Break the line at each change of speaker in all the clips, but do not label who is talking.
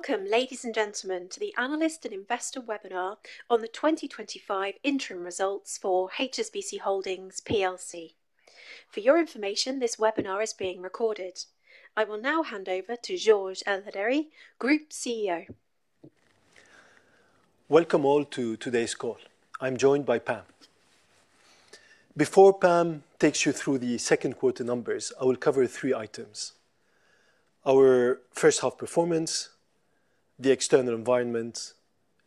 Welcome, ladies and gentlemen, to the analyst and investor webinar on the 2025 interim results for HSBC Holdings plc. For your information, this webinar is being recorded. I will now hand over to Georges Elhedery, Group CEO.
Welcome all to today's call. I'm joined by Pam. Before Pam takes you through the second quarter numbers, I will cover three items: our first-half performance, the external environment,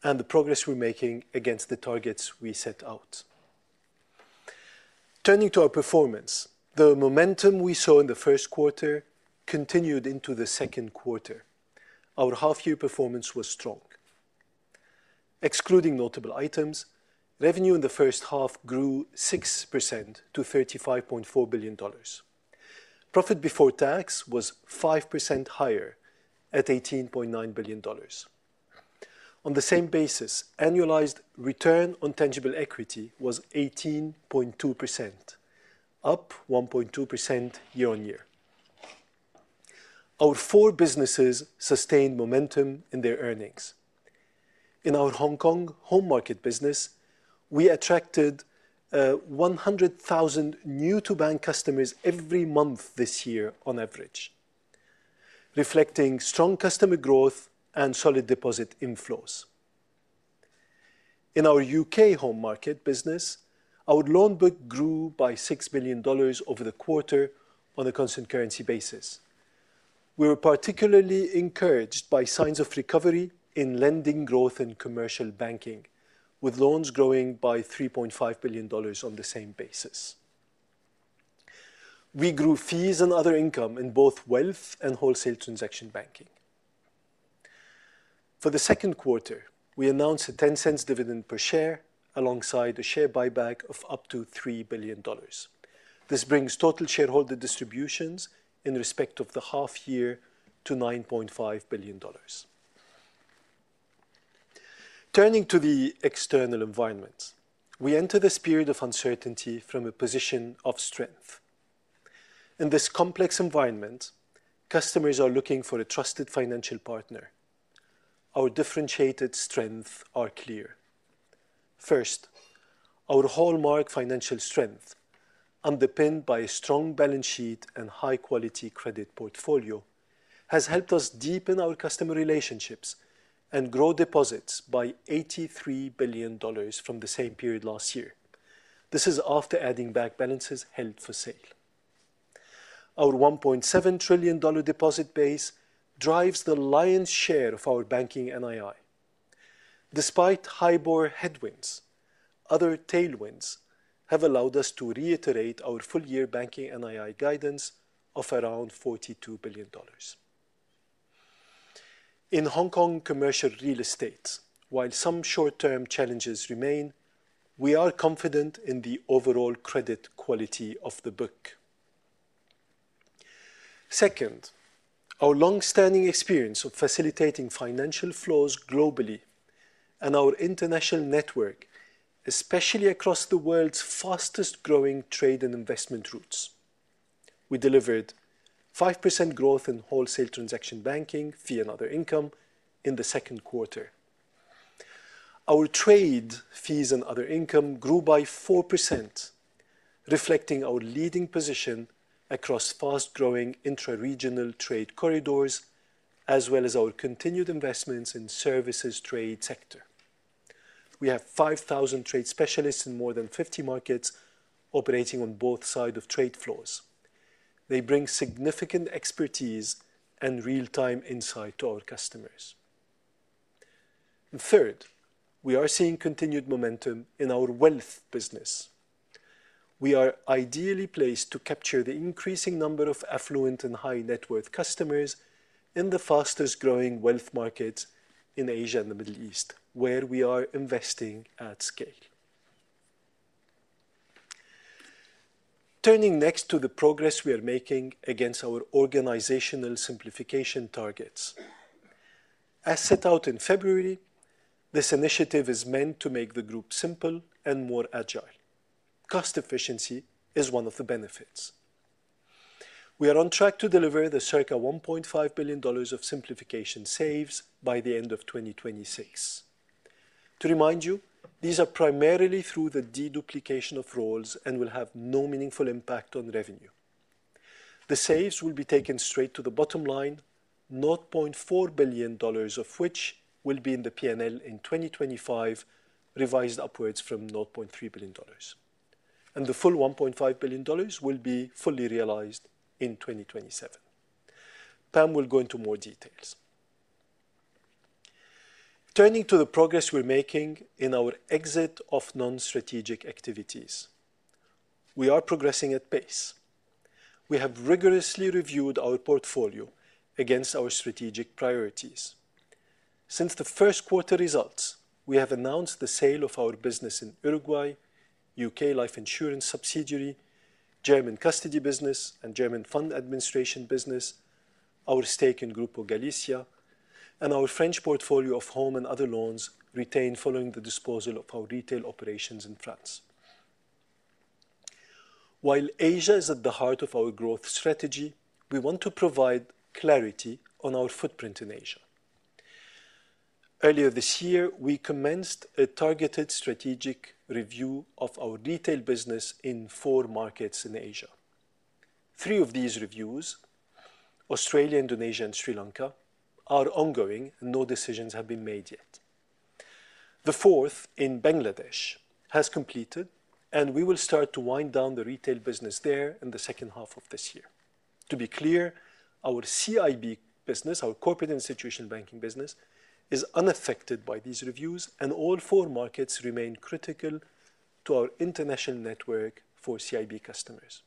and the progress we're making against the targets we set out. Turning to our performance, the momentum we saw in the first quarter continued into the second quarter. Our half-year performance was strong. Excluding notable items, revenue in the first half grew 6% to $35.4 billion. Profit before tax was 5% higher, at $18.9 billion. On the same basis, annualized return on tangible equity was 18.2%, up 1.2% year-on-year. Our four businesses sustained momentum in their earnings. In our Hong Kong home market business, we attracted 100,000 new-to-bank customers every month this year, on average, reflecting strong customer growth and solid deposit inflows. In our U.K. home market business, our loan book grew by $6 billion over the quarter on a constant currency basis. We were particularly encouraged by signs of recovery in lending growth in commercial banking, with loans growing by $3.5 billion on the same basis. We grew fees and other income in both wealth and wholesale transaction banking. For the second quarter, we announced a $0.10 dividend per share, alongside a share buyback of up to $3 billion. This brings total shareholder distributions in respect of the half-year to $9.5 billion. Turning to the external environment, we enter this period of uncertainty from a position of strength. In this complex environment, customers are looking for a trusted financial partner. Our differentiated strengths are clear. First, our hallmark financial strength, underpinned by a strong balance sheet and high-quality credit portfolio, has helped us deepen our customer relationships and grow deposits by $83 billion from the same period last year. This is after adding back balances held for sale. Our $1.7 trillion deposit base drives the lion's share of our banking NII. Despite HIBOR headwinds, other tailwinds have allowed us to reiterate our full-year banking NII guidance of around $42 billion. In Hong Kong commercial real estate, while some short-term challenges remain, we are confident in the overall credit quality of the book. Second, our long-standing experience of facilitating financial flows globally and our international network, especially across the world's fastest-growing trade and investment routes. We delivered 5% growth in wholesale transaction banking, fee, and other income in the second quarter. Our trade fees and other income grew by 4%, reflecting our leading position across fast-growing intra-regional trade corridors, as well as our continued investments in the services trade sector. We have 5,000 trade specialists in more than 50 markets operating on both sides of trade flows. They bring significant expertise and real-time insight to our customers. Third, we are seeing continued momentum in our wealth business. We are ideally placed to capture the increasing number of affluent and high-net-worth customers in the fastest-growing wealth markets in Asia and the Middle East, where we are investing at scale. Turning next to the progress we are making against our organizational simplification targets. As set out in February, this initiative is meant to make the group simple and more agile. Cost efficiency is one of the benefits. We are on track to deliver the circa $1.5 billion of simplification saves by the end of 2026. To remind you, these are primarily through the deduplication of roles and will have no meaningful impact on revenue. The saves will be taken straight to the bottom line, $0.4 billion of which will be in the P&L in 2025, revised upwards from $0.3 billion. The full $1.5 billion will be fully realized in 2027. Pam will go into more details. Turning to the progress we're making in our exit of non-strategic activities. We are progressing at pace. We have rigorously reviewed our portfolio against our strategic priorities. Since the first quarter results, we have announced the sale of our business in Uruguay, U.K. life insurance subsidiary, German custody business, and German fund administration business, our stake in Grupo Galicia, and our French portfolio of home and other loans retained following the disposal of our retail operations in France. While Asia is at the heart of our growth strategy, we want to provide clarity on our footprint in Asia. Earlier this year, we commenced a targeted strategic review of our retail business in four markets in Asia. Three of these reviews, Australia, Indonesia, and Sri Lanka, are ongoing, and no decisions have been made yet. The fourth in Bangladesh has completed, and we will start to wind down the retail business there in the second half of this year. To be clear, our CIB business, our corporate institution banking business, is unaffected by these reviews, and all four markets remain critical to our international network for CIB customers.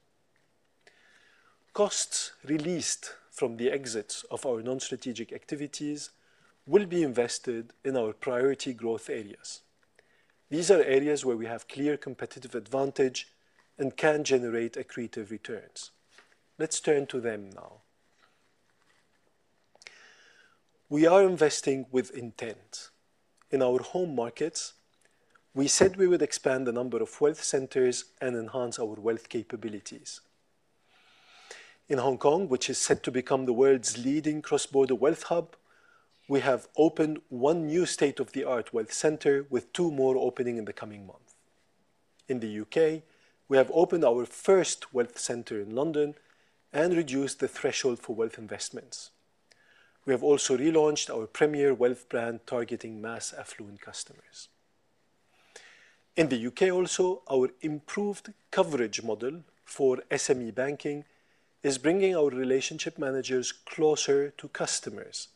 Costs released from the exits of our non-strategic activities will be invested in our priority growth areas. These are areas where we have clear competitive advantage and can generate accretive returns. Let's turn to them now. We are investing with intent. In our home markets, we said we would expand the number of wealth centers and enhance our wealth capabilities. In Hong Kong, which is set to become the world's leading cross-border wealth hub, we have opened one new state-of-the-art wealth center, with two more opening in the coming month. In the U.K., we have opened our first wealth center in London and reduced the threshold for wealth investments. We have also relaunched our premier wealth brand targeting mass affluent customers. In the U.K. also, our improved coverage model for SME banking is bringing our relationship managers closer to customers.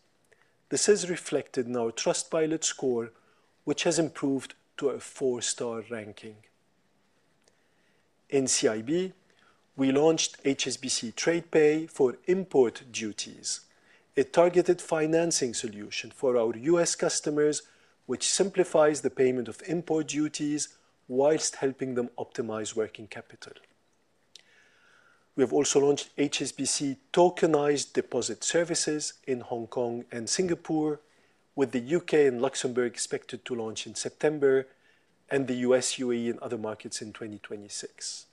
This is reflected in our Trustpilot score, which has improved to a four-star ranking. In CIB, we launched HSBC TradePay for import duties, a targeted financing solution for our U.S. customers, which simplifies the payment of import duties whilst helping them optimize working capital. We have also launched HSBC Tokenized Deposit Services in Hong Kong and Singapore, with the U.K. and Luxembourg expected to launch in September, and the U.S., UAE, and other markets in 2026.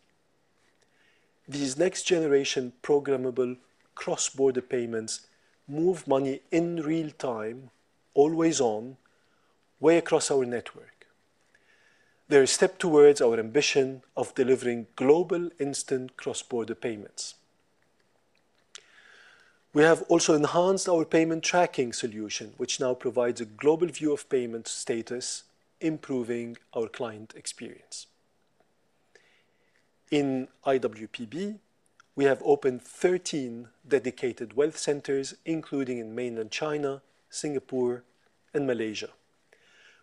These next-generation programmable cross-border payments move money in real time, always on, way across our network. They are a step towards our ambition of delivering global instant cross-border payments. We have also enhanced our payment tracking solution, which now provides a global view of payment status, improving our client experience. In IWPB, we have opened 13 dedicated wealth centers, including in mainland China, Singapore, and Malaysia.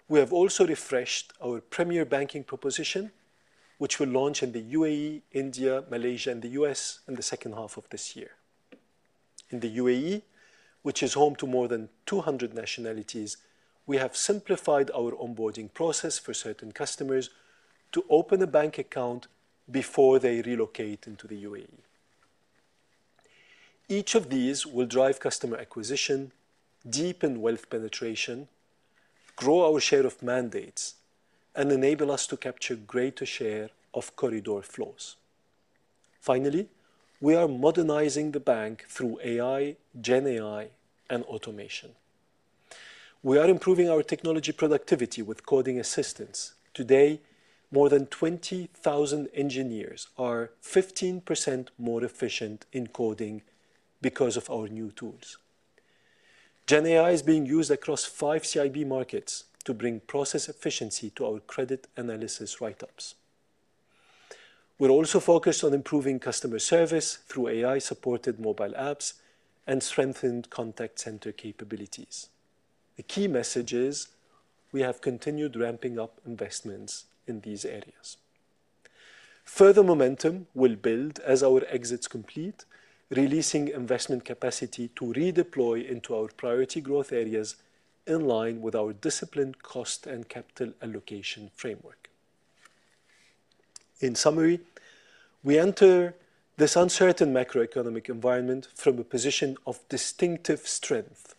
We have also refreshed our premier banking proposition, which we'll launch in the UAE, India, Malaysia, and the U.S. in the second half of this year. In the UAE, which is home to more than 200 nationalities, we have simplified our onboarding process for certain customers to open a bank account before they relocate into the UAE. Each of these will drive customer acquisition, deepen wealth penetration, grow our share of mandates, and enable us to capture greater share of corridor flows. Finally, we are modernizing the bank through AI, GenAI, and automation. We are improving our technology productivity with coding assistance. Today, more than 20,000 engineers are 15% more efficient in coding because of our new tools. GenAI is being used across five CIB markets to bring process efficiency to our credit analysis write-ups. We're also focused on improving customer service through AI-supported mobile apps and strengthened contact center capabilities. The key message is we have continued ramping up investments in these areas. Further momentum will build as our exits complete, releasing investment capacity to redeploy into our priority growth areas in line with our disciplined cost and capital allocation framework. In summary, we enter this uncertain macroeconomic environment from a position of distinctive strength,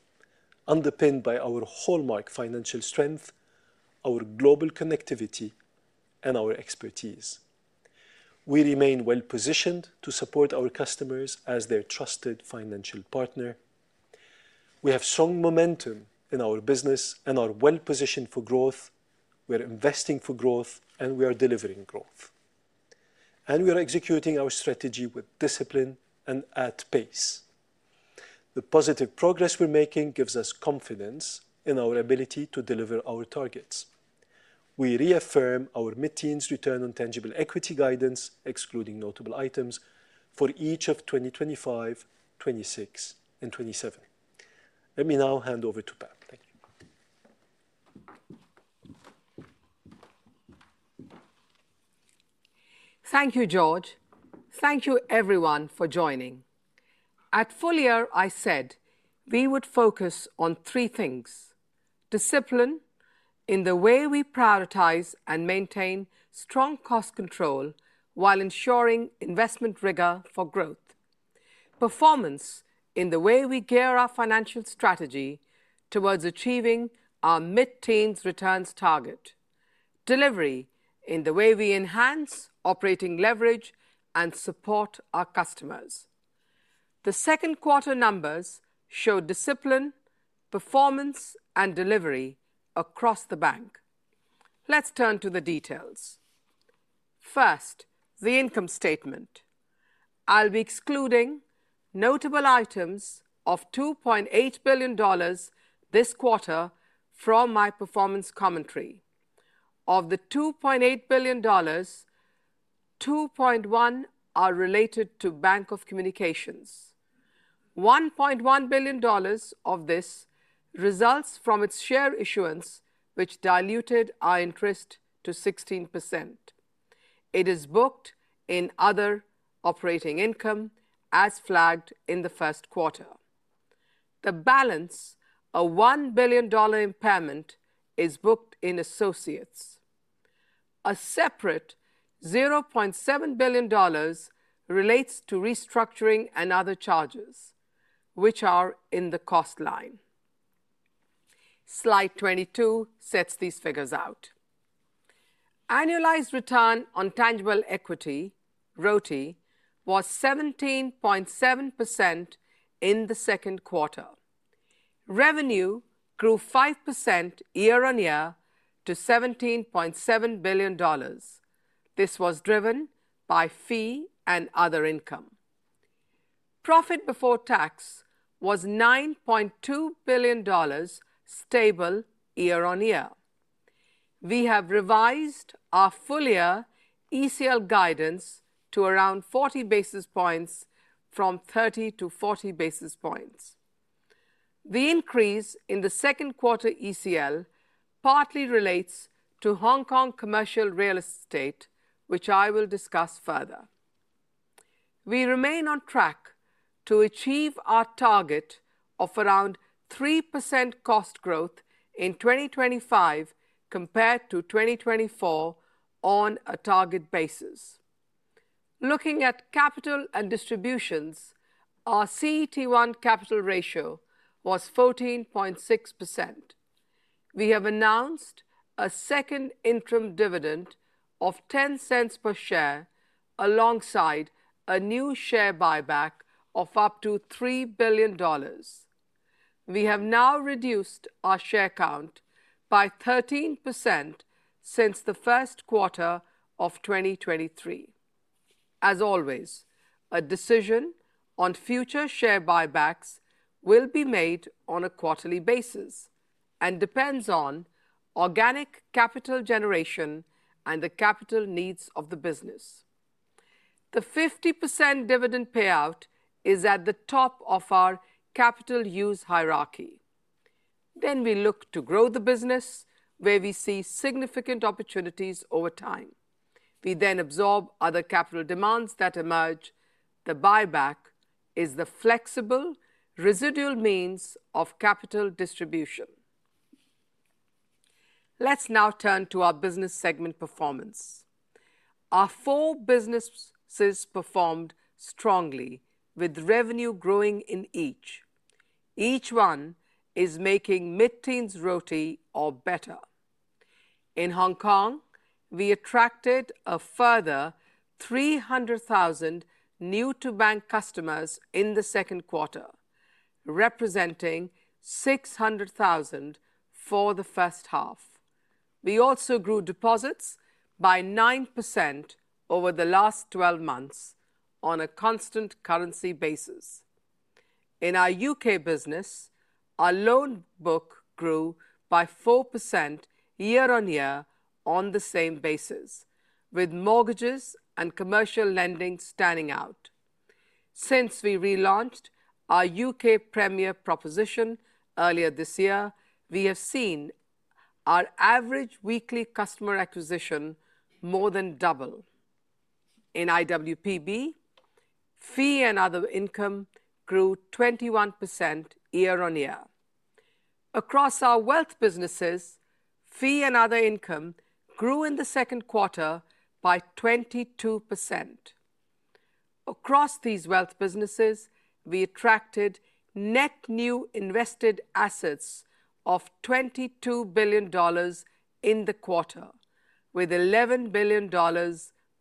underpinned by our hallmark financial strength, our global connectivity, and our expertise. We remain well-positioned to support our customers as their trusted financial partner. We have strong momentum in our business and are well-positioned for growth. We are investing for growth, and we are delivering growth. We are executing our strategy with discipline and at pace. The positive progress we're making gives us confidence in our ability to deliver our targets. We reaffirm our mid-teens Return on Tangible Equity guidance, excluding notable items, for each of 2025, 2026, and 2027. Let me now hand over to Pam. Thank you.
Thank you, Georges. Thank you, everyone, for joining. At full year, I said we would focus on three things: discipline in the way we prioritize and maintain strong cost control while ensuring investment rigor for growth, performance in the way we gear our financial strategy towards achieving our mid-teens returns target, delivery in the way we enhance operating leverage and support our customers. The second quarter numbers show discipline, performance, and delivery across the bank. Let's turn to the details. First, the income statement. I'll be excluding notable items of $2.8 billion this quarter from my performance commentary. Of the $2.8 billion, $2.1 billion are related to Bank of Communications. $1.1 billion of this results from its share issuance, which diluted our interest to 16%. It is booked in other operating income as flagged in the first quarter. The balance of $1 billion impairment is booked in associates. A separate $0.7 billion relates to restructuring and other charges, which are in the cost line. Slide 22 sets these figures out. Annualized return on tangible equity, RoTE, was 17.7% in the second quarter. Revenue grew 5% year on year to $17.7 billion. This was driven by fee and other income. Profit before tax was $9.2 billion, stable year on year. We have revised our full-year ECL guidance to around 40 basis points, from 30 to 40 basis points. The increase in the second quarter ECL partly relates to Hong Kong commercial real estate, which I will discuss further. We remain on track to achieve our target of around 3% cost growth in 2025 compared to 2024 on a target basis. Looking at capital and distributions, our CET1 capital ratio was 14.6%. We have announced a second interim dividend of $0.10 per share alongside a new share buyback of up to $3 billion. We have now reduced our share count by 13% since the first quarter of 2023. As always, a decision on future share buybacks will be made on a quarterly basis and depends on organic capital generation and the capital needs of the business. The 50% dividend payout is at the top of our capital use hierarchy. Then we look to grow the business, where we see significant opportunities over time. We then absorb other capital demands that emerge. The buyback is the flexible residual means of capital distribution. Let's now turn to our business segment performance.
Our four businesses performed strongly, with revenue growing in each. Each one is making mid-teens RoTE or better. In Hong Kong, we attracted a further 300,000 new-to-bank customers in the second quarter, representing 600,000 for the first half. We also grew deposits by 9% over the last 12 months on a constant currency basis. In our U.K. business, our loan book grew by 4% year on year on the same basis, with mortgages and commercial lending standing out. Since we relaunched our U.K. premier proposition earlier this year, we have seen our average weekly customer acquisition more than double. In IWPB, fee and other income grew 21% year on year. Across our wealth businesses, fee and other income grew in the second quarter by 22%. Across these wealth businesses, we attracted net new invested assets of $22 billion in the quarter, with $11 billion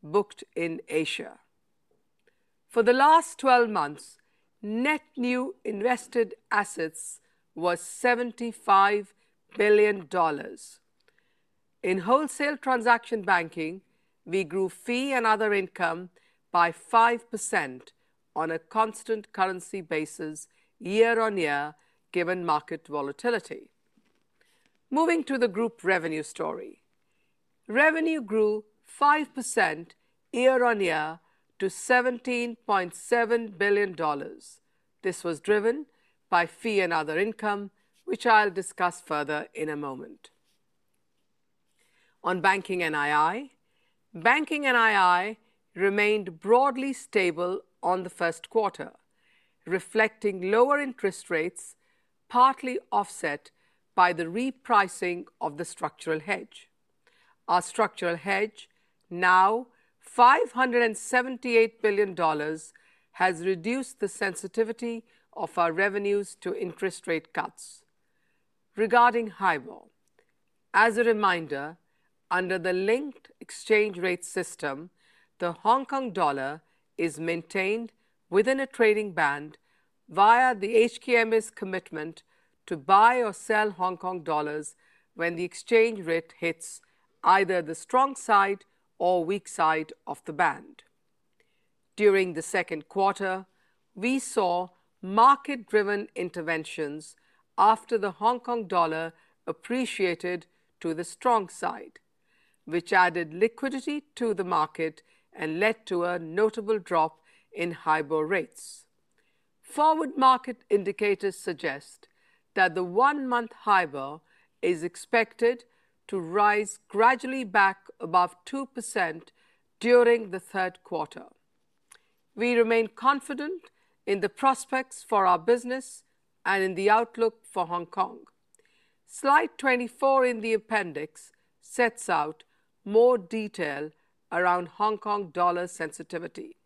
booked in Asia. For the last 12 months, net new invested assets were $75 billion. In wholesale transaction banking, we grew fee and other income by 5% on a constant currency basis year on year, given market volatility. Moving to the group revenue story. Revenue grew 5% year on year to $17.7 billion. This was driven by fee and other income, which I'll discuss further in a moment. On banking NII, banking NII remained broadly stable on the first quarter, reflecting lower interest rates partly offset by the repricing of the structural hedge. Our structural hedge, now $578 billion, has reduced the sensitivity of our revenues to interest rate cuts. Regarding HIBOR, as a reminder, under the linked exchange rate system, the Hong Kong dollar is maintained within a trading band via the HKMA's commitment to buy or sell Hong Kong dollars when the exchange rate hits either the strong side or weak side of the band. During the second quarter, we saw market-driven interventions after the Hong Kong dollar appreciated to the strong side, which added liquidity to the market and led to a notable drop in HIBOR rates. Forward market indicators suggest that the one-month HIBOR is expected to rise gradually back above 2% during the third quarter. We remain confident in the prospects for our business and in the outlook for Hong Kong. Slide 24 in the appendix sets out more detail around Hong Kong dollar sensitivity.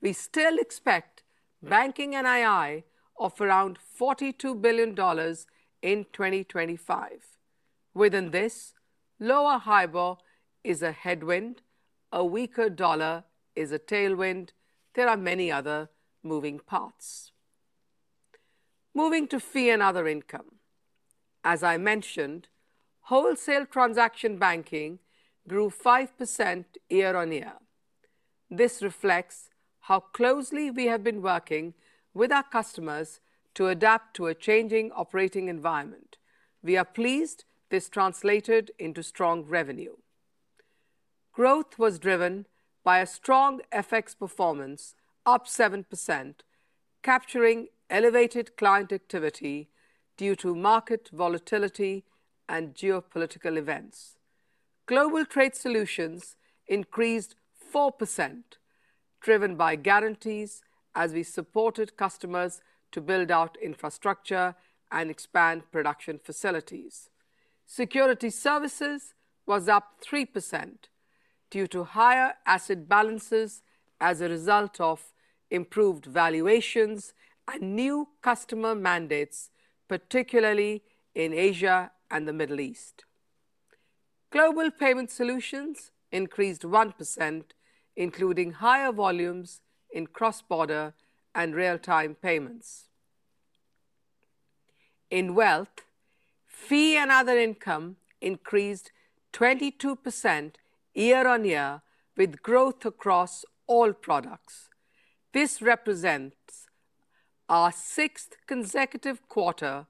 We still expect banking NII of around $42 billion in 2025. Within this, lower HIBOR is a headwind; a weaker dollar is a tailwind. There are many other moving parts. Moving to fee and other income. As I mentioned, wholesale transaction banking grew 5% year on year. This reflects how closely we have been working with our customers to adapt to a changing operating environment. We are pleased this translated into strong revenue. Growth was driven by a strong FX performance, up 7%, capturing elevated client activity due to market volatility and geopolitical events. Global Trade Solutions increased 4%, driven by guarantees as we supported customers to build out infrastructure and expand production facilities. Security Services was up 3% due to higher asset balances as a result of improved valuations and new customer mandates, particularly in Asia and the Middle East. Global Payment Solutions increased 1%, including higher volumes in cross-border and real-time payments. In wealth, fee and other income increased 22% year on year, with growth across all products. This represents our sixth consecutive quarter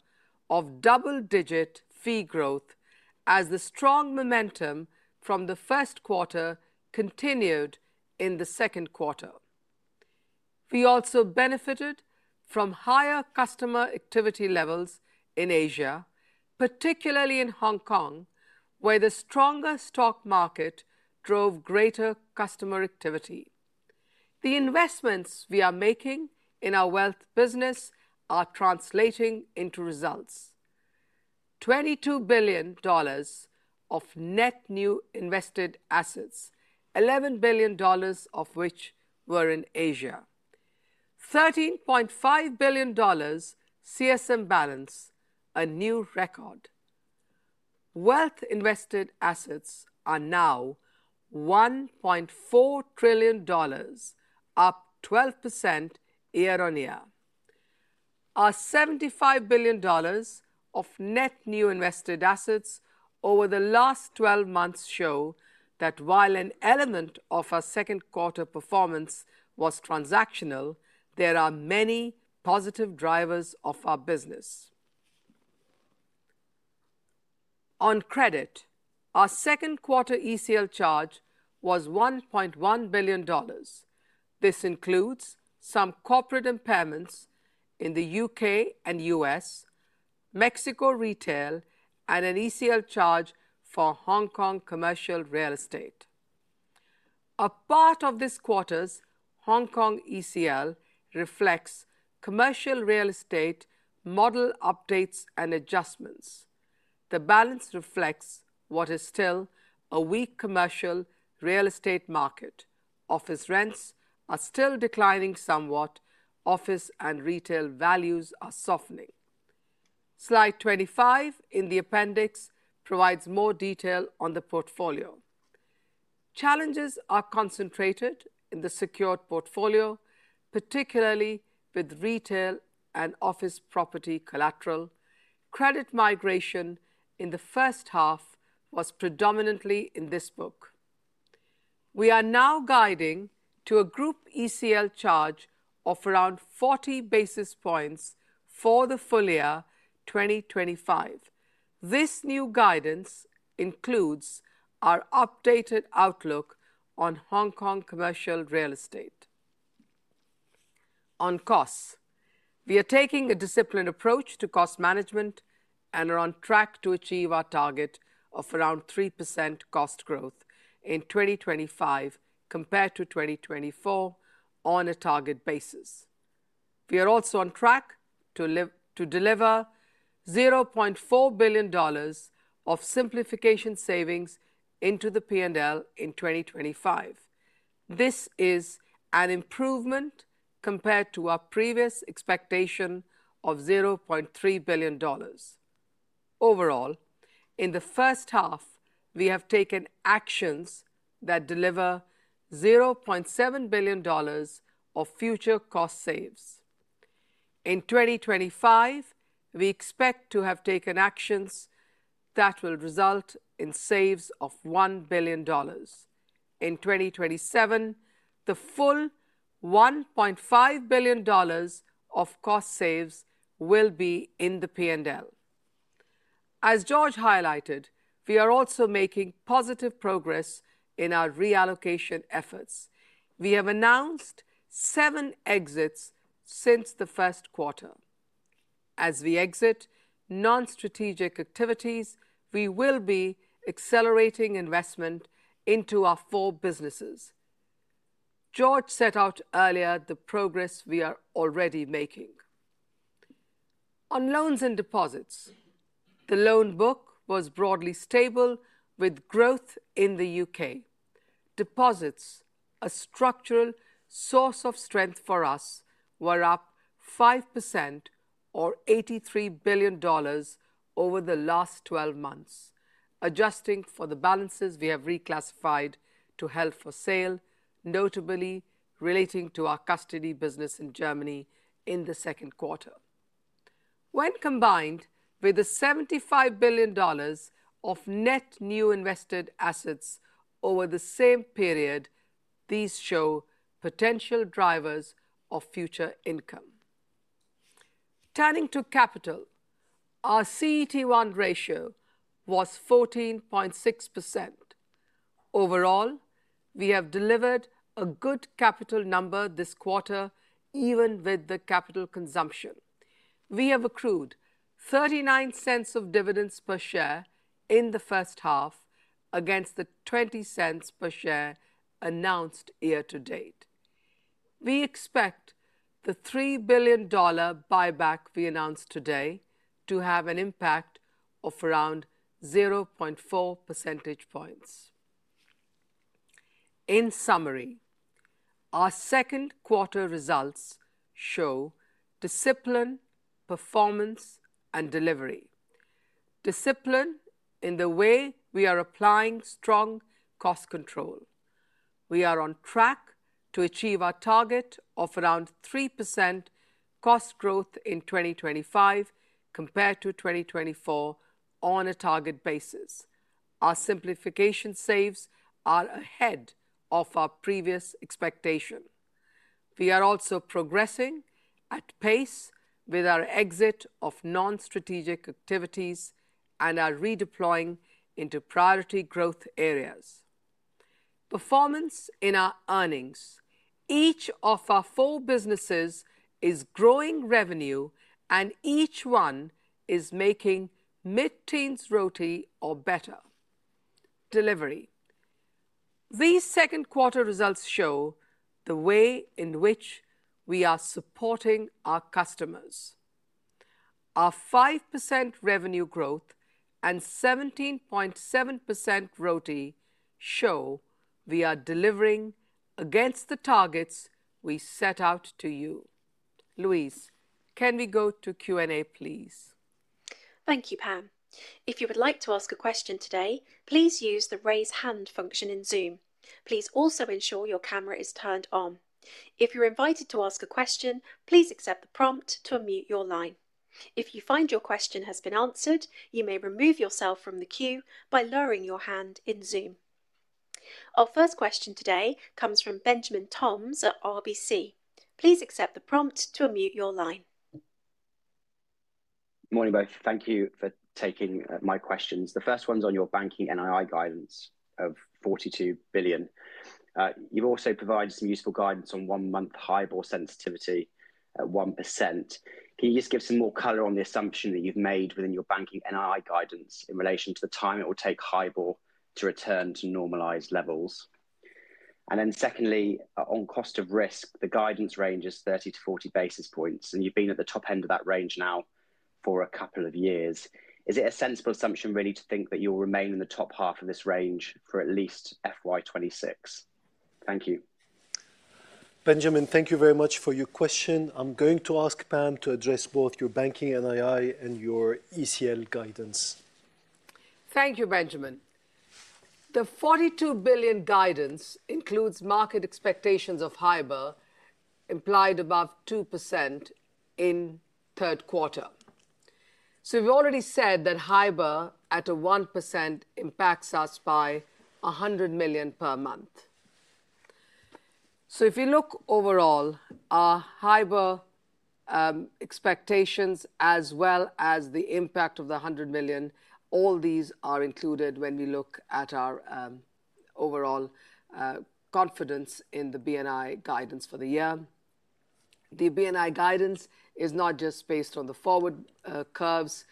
of double-digit fee growth, as the strong momentum from the first quarter continued in the second quarter. We also benefited from higher customer activity levels in Asia, particularly in Hong Kong, where the stronger stock market drove greater customer activity. The investments we are making in our wealth business are translating into results: $22 billion of net new invested assets, $11 billion of which were in Asia, $13.5 billion CSM balance, a new record. Wealth invested assets are now $1.4 trillion, up 12% year on year. Our $75 billion of net new invested assets over the last 12 months show that while an element of our second quarter performance was transactional, there are many positive drivers of our business. On credit, our second quarter ECL charge was $1.1 billion. This includes some corporate impairments in the U.K. and U.S., Mexico retail, and an ECL charge for Hong Kong commercial real estate. A part of this quarter's Hong Kong ECL reflects commercial real estate model updates and adjustments. The balance reflects what is still a weak commercial real estate market. Office rents are still declining somewhat. Office and retail values are softening. Slide 25 in the appendix provides more detail on the portfolio. Challenges are concentrated in the secured portfolio, particularly with retail and office property collateral. Credit migration in the first half was predominantly in this book. We are now guiding to a group ECL charge of around 40 basis points for the full year 2025. This new guidance includes our updated outlook on Hong Kong commercial real estate. On costs, we are taking a disciplined approach to cost management and are on track to achieve our target of around 3% cost growth in 2025 compared to 2024 on a target basis. We are also on track to deliver $0.4 billion of simplification savings into the P&L in 2025. This is an improvement compared to our previous expectation of $0.3 billion. Overall, in the first half, we have taken actions that deliver $0.7 billion of future cost saves. In 2025, we expect to have taken actions that will result in saves of $1 billion. In 2027, the full $1.5 billion of cost saves will be in the P&L. As Georges highlighted, we are also making positive progress in our reallocation efforts. We have announced seven exits since the first quarter. As we exit non-strategic activities, we will be accelerating investment into our four businesses. Georges set out earlier the progress we are already making. On loans and deposits, the loan book was broadly stable with growth in the U.K. Deposits, a structural source of strength for us, were up 5% or $83 billion over the last 12 months, adjusting for the balances we have reclassified to Held for Sale, notably relating to our custody business in Germany in the second quarter. When combined with the $75 billion of net new invested assets over the same period, these show potential drivers of future income. Turning to capital, our CET1 ratio was 14.6%. Overall, we have delivered a good capital number this quarter, even with the capital consumption. We have accrued $0.39 of dividends per share in the first half against the $0.20 per share announced year to date. We expect the $3 billion buyback we announced today to have an impact of around 0.4 percentage points. In summary, our second quarter results show discipline, performance, and delivery. Discipline in the way we are applying strong cost control. We are on track to achieve our target of around 3% cost growth in 2025 compared to 2024 on a target basis. Our simplification saves are ahead of our previous expectation. We are also progressing at pace with our exit of non-strategic activities and our redeploying into priority growth areas. Performance in our earnings. Each of our four businesses is growing revenue, and each one is making mid-teens RoTE or better. Delivery. These second quarter results show the way in which we are supporting our customers. Our 5% revenue growth and 17.7% RoTE show we are delivering against the targets we set out to you. Louise, can we go to Q&A, please?
Thank you, Pam. If you would like to ask a question today, please use the raise hand function in Zoom. Please also ensure your camera is turned on. If you're invited to ask a question, please accept the prompt to unmute your line. If you find your question has been answered, you may remove yourself from the queue by lowering your hand in Zoom. Our first question today comes from Benjamin Toms at RBC. Please accept the prompt to unmute your line.
Morning both. Thank you for taking my questions. The first one's on your banking NII guidance of $42 billion. You've also provided some useful guidance on one-month HIBOR sensitivity at 1%. Can you just give some more color on the assumption that you've made within your banking NII guidance in relation to the time it will take HIBOR to return to normalized levels? And then secondly, on cost of risk, the guidance range is 30-40 basis points, and you've been at the top end of that range now for a couple of years. Is it a sensible assumption really to think that you'll remain in the top half of this range for at least FY 2026? Thank you.
Benjamin, thank you very much for your question. I'm going to ask Pam to address both your banking NII and your ECL guidance.
Thank you, Benjamin. The $42 billion guidance includes market expectations of HIBOR implied above 2% in third quarter. We've already said that HIBOR at a 1% impacts us by $100 million per month. If we look overall, our HIBOR expectations, as well as the impact of the $100 million, all these are included when we look at our overall confidence in the NII guidance for the year. The NII guidance is not just based on the forward curves.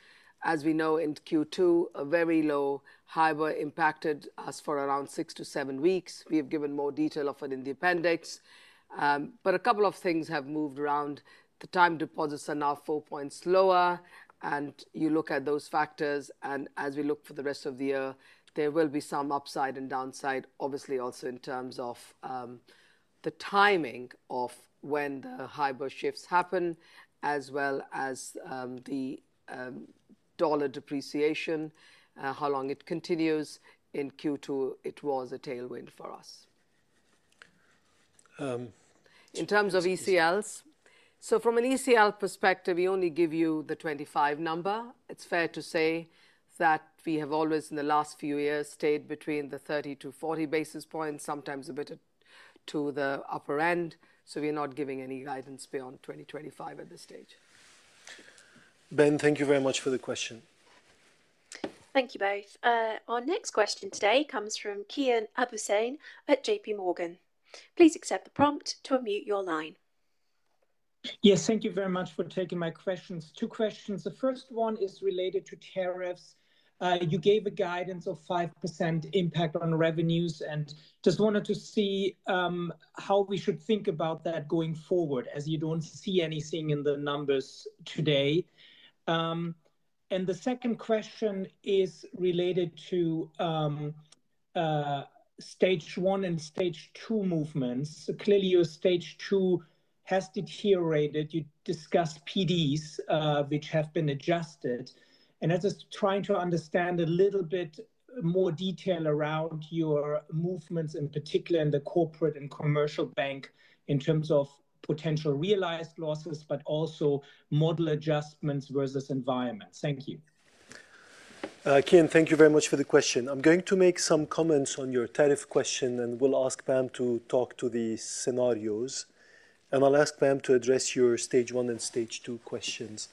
As we know, in Q2, a very low HIBOR impacted us for around six to seven weeks. We have given more detail of it in the appendix. A couple of things have moved around. The time deposits are now four percentage points lower, and you look at those factors, and as we look for the rest of the year, there will be some upside and downside, obviously also in terms of the timing of when the HIBOR shifts happen, as well as the dollar depreciation, how long it continues. In Q2, it was a tailwind for us. In terms of ECLs, so from an ECL perspective, we only give you the 2025 number. It's fair to say that we have always, in the last few years, stayed between the 30-40 basis points, sometimes a bit to the upper end. We're not giving any guidance beyond 2025 at this stage.
Ben, thank you very much for the question.
Thank you both. Our next question today comes from Kian Abouhossein at JPMorgan. Please accept the prompt to unmute your line.
Yes, thank you very much for taking my questions. Two questions. The first one is related to tariffs. You gave a guidance of 5% impact on revenues and just wanted to see how we should think about that going forward, as you don't see anything in the numbers today. The second question is related to stage one and stage two movements. Clearly, your stage two has deteriorated. You discussed PDs, which have been adjusted. I'm just trying to understand a little bit more detail around your movements, in particular in the corporate and commercial bank, in terms of potential realized losses, but also model adjustments versus environments. Thank you.
Kian, thank you very much for the question. I'm going to make some comments on your tariff question, and we'll ask Pam to talk to the scenarios. I'll ask Pam to address your stage one and stage two questions.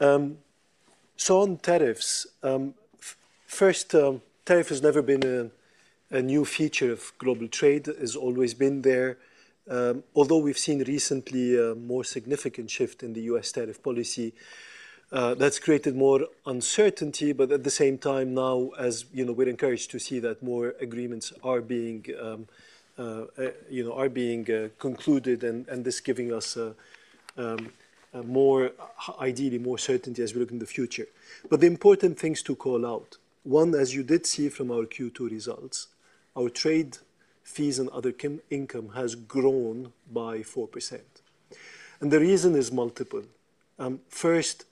On tariffs, first, tariff has never been a new feature of global trade. It has always been there. Although we've seen recently a more significant shift in the US tariff policy, that's created more uncertainty. At the same time, now, as you know, we're encouraged to see that more agreements are being concluded and this is giving us, ideally, more certainty as we look in the future. The important things to call out, one, as you did see from our Q2 results, our trade fees and other income has grown by 4%. The reason is multiple. First,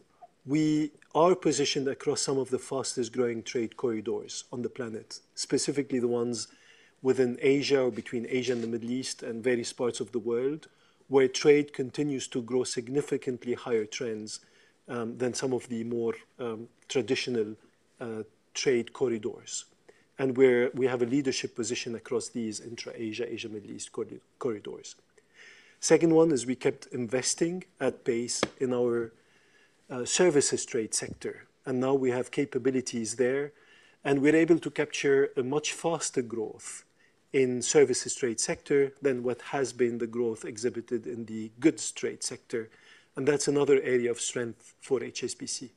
we are positioned across some of the fastest growing trade corridors on the planet, specifically the ones within Asia or between Asia and the Middle East and various parts of the world, where trade continues to grow significantly higher trends than some of the more traditional trade corridors. We have a leadership position across these intra-Asia, Asia-Middle East corridors. Second one is we kept investing at pace in our services trade sector. We have capabilities there, and we're able to capture a much faster growth in the services trade sector than what has been the growth exhibited in the goods trade sector. That is another area of strength for HSBC.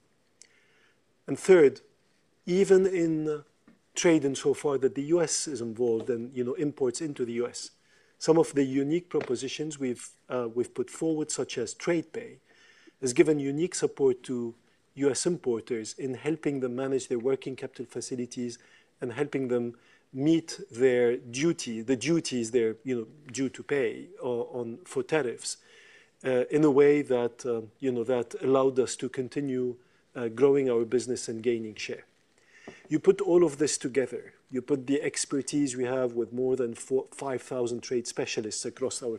Third, even in trade insofar that the U.S. is involved and imports into the U.S., some of the unique propositions we've put forward, such as TradePay, has given unique support to U.S. importers in helping them manage their working capital facilities and helping them meet the duties they're due to pay for tariffs in a way that allowed us to continue growing our business and gaining share. You put all of this together. You put the expertise we have with more than 5,000 trade specialists across our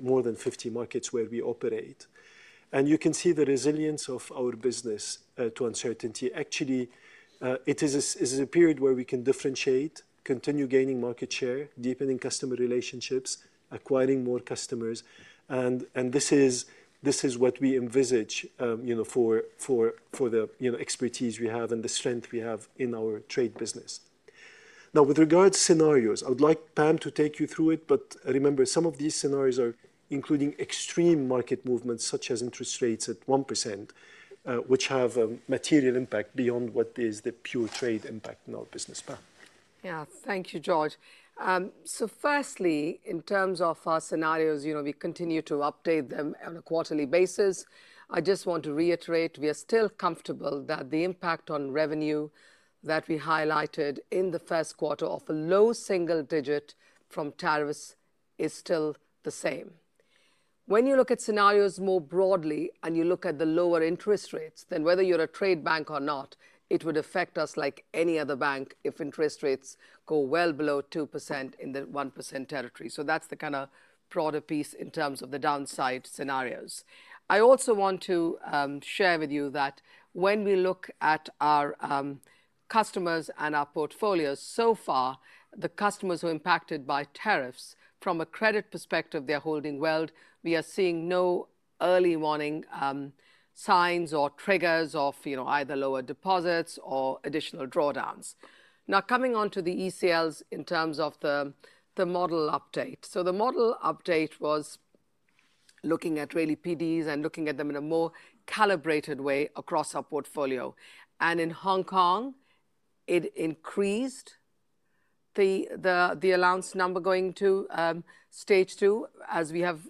more than 50 markets where we operate, and you can see the resilience of our business to uncertainty. Actually, it is a period where we can differentiate, continue gaining market share, deepening customer relationships, acquiring more customers. This is what we envisage for the expertise we have and the strength we have in our trade business. Now, with regards to scenarios, I would like Pam to take you through it. Remember, some of these scenarios are including extreme market movements, such as interest rates at 1%, which have a material impact beyond what is the pure trade impact in our business. Pam?
Yeah, thank you, Georges. Firstly, in terms of our scenarios, we continue to update them on a quarterly basis. I just want to reiterate we are still comfortable that the impact on revenue that we highlighted in the first quarter of a low single digit from tariffs is still the same. When you look at scenarios more broadly and you look at the lower interest rates, whether you're a trade bank or not, it would affect us like any other bank if interest rates go well below 2% in the 1% territory. That's the kind of broader piece in terms of the downside scenarios. I also want to share with you that when we look at our customers and our portfolios so far, the customers who are impacted by tariffs, from a credit perspective, they're holding well. We are seeing no early warning signs or triggers of either lower deposits or additional drawdowns. Now, coming on to the ECLs in terms of the model update. The model update was looking at really PDs and looking at them in a more calibrated way across our portfolio. In Hong Kong, it increased the allowance number going to stage two, as we have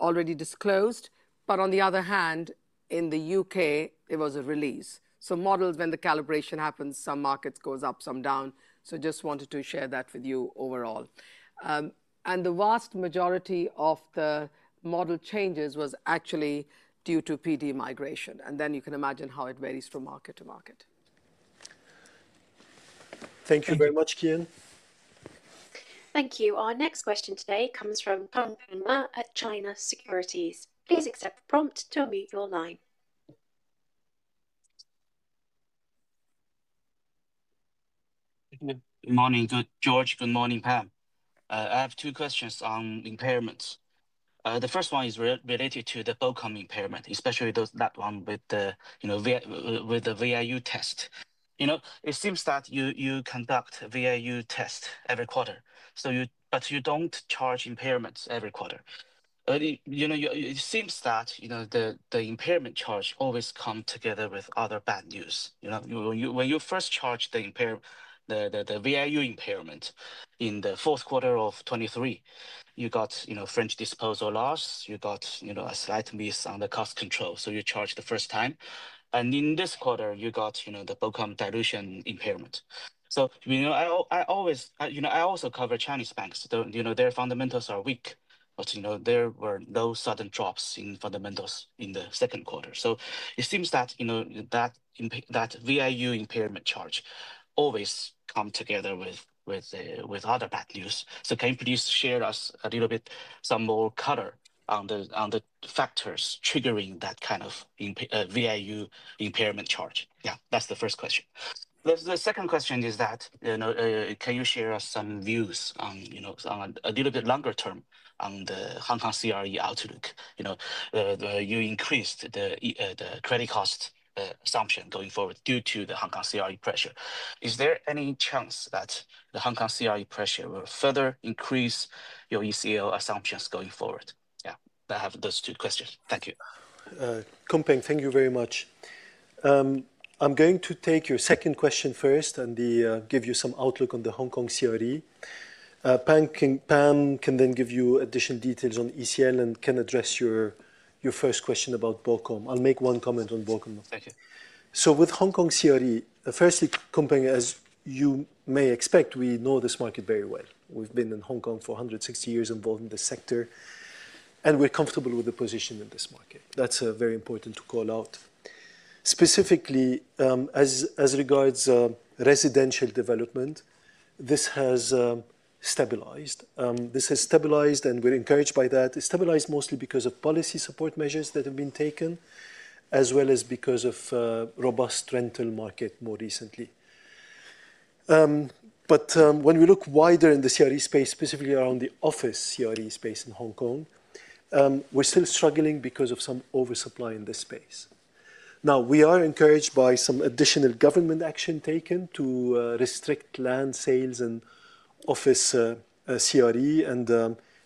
already disclosed. On the other hand, in the U.K., it was a release. Modeled when the calibration happens, some markets go up, some down. I just wanted to share that with you overall. The vast majority of the model changes was actually due to PD migration. You can imagine how it varies from market to market.
Thank you very much, Kian.
Thank you. Our next question today comes from Yun PENG at China Securities. Please accept the prompt to unmute your line.
Good morning, Georges. Good morning, Pam. I have two questions on impairments. The first one is related to the Bank of Communications impairment, especially that one with the VIU test. It seems that you conduct VIU tests every quarter, but you do not charge impairments every quarter. It seems that the impairment charge always comes together with other bad news. When you first charged the VIU impairment in the fourth quarter of 2023, you got French disposal loss. You got a slight miss on the cost control. You charged the first time. In this quarter, you got the BOCOM dilution impairment. I also cover Chinese banks. Their fundamentals are weak, but there were no sudden drops in fundamentals in the second quarter. It seems that that VIU impairment charge always comes together with other bad news. Can you please share with us a little bit, some more color on the factors triggering that kind of VIU impairment charge? That is the first question. The second question is, can you share with us some views on a little bit longer term on the Hong Kong CRE outlook? You increased the credit cost assumption going forward due to the Hong Kong CRE pressure. Is there any chance that the Hong Kong CRE pressure will further increase your ECL assumptions going forward? Yeah, I have those two questions. Thank you.
Yun PENG, thank you very much. I'm going to take your second question first and give you some outlook on the Hong Kong CRE. Pam can then give you additional details on ECL and can address your first question about BOCOM. I'll make one comment on BOCOM. Thank you. With Hong Kong CRE, firstly, Yun PENG, as you may expect, we know this market very well. We've been in Hong Kong for 160 years involved in the sector, and we're comfortable with the position in this market. That's very important to call out. Specifically, as regards residential development, this has stabilized. This has stabilized, and we're encouraged by that. It's stabilized mostly because of policy support measures that have been taken, as well as because of robust rental market more recently. When we look wider in the CRE space, specifically around the office CRE space in Hong Kong, we're still struggling because of some oversupply in this space. We are encouraged by some additional government action taken to restrict land sales and office CRE.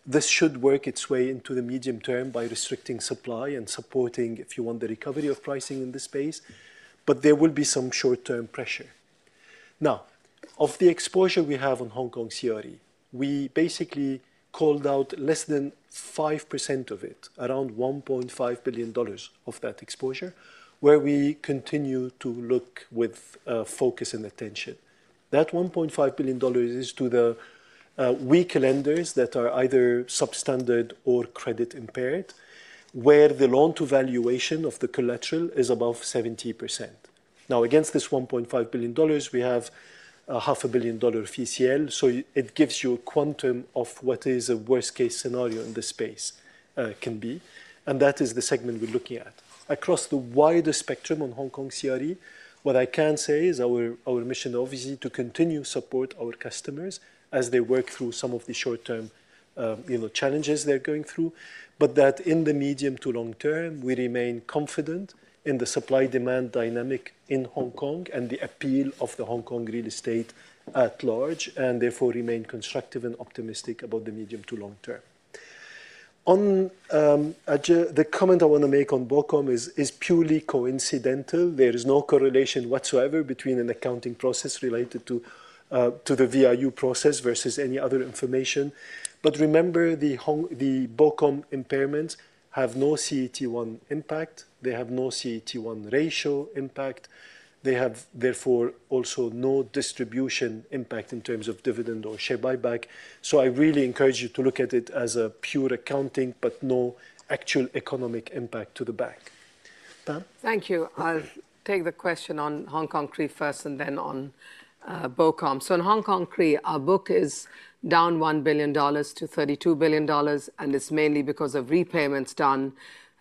This should work its way into the medium term by restricting supply and supporting, if you want, the recovery of pricing in this space. There will be some short-term pressure. Of the exposure we have on Hong Kong CRE, we basically called out less than 5% of it, around $1.5 billion of that exposure, where we continue to look with focus and attention. That $1.5 billion is to the weak lenders that are either substandard or credit impaired, where the loan-to-valuation of the collateral is above 70%. Now, against this $1.5 billion, we have a $500,000 VCL. It gives you a quantum of what a worst-case scenario in this space can be. That is the segment we're looking at. Across the wider spectrum on Hong Kong CRE, what I can say is our mission, obviously, is to continue to support our customers as they work through some of the short-term challenges they're going through. In the medium to long term, we remain confident in the supply-demand dynamic in Hong Kong and the appeal of the Hong Kong real estate at large, and therefore remain constructive and optimistic about the medium to long term. The comment I want to make on Bank of Communications is purely coincidental. There is no correlation whatsoever between an accounting process related to the VIU process versus any other information. Remember, the BOCOM impairments have no CET1 impact. They have no CET1 ratio impact. They have, therefore, also no distribution impact in terms of dividend or share buyback. I really encourage you to look at it as a pure accounting, but no actual economic impact to the bank. Pam?
Thank you. I'll take the question on Hong Kong CRE first and then on BOCOM. In Hong Kong CRE, our book is down $1 billion to $32 billion. It's mainly because of repayments done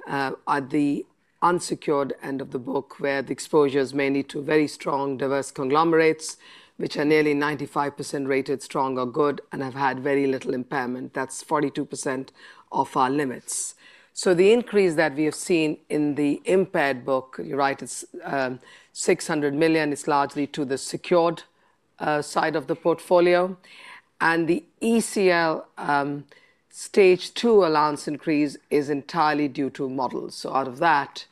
at the unsecured end of the book, where the exposure is mainly to very strong diverse conglomerates, which are nearly 95% rated strong or good and have had very little impairment. That's 42% of our limits. The increase that we have seen in the impaired book, you're right, it's $600 million. It's largely to the secured side of the portfolio. The ECL stage two allowance increase is entirely due to models. Out of that,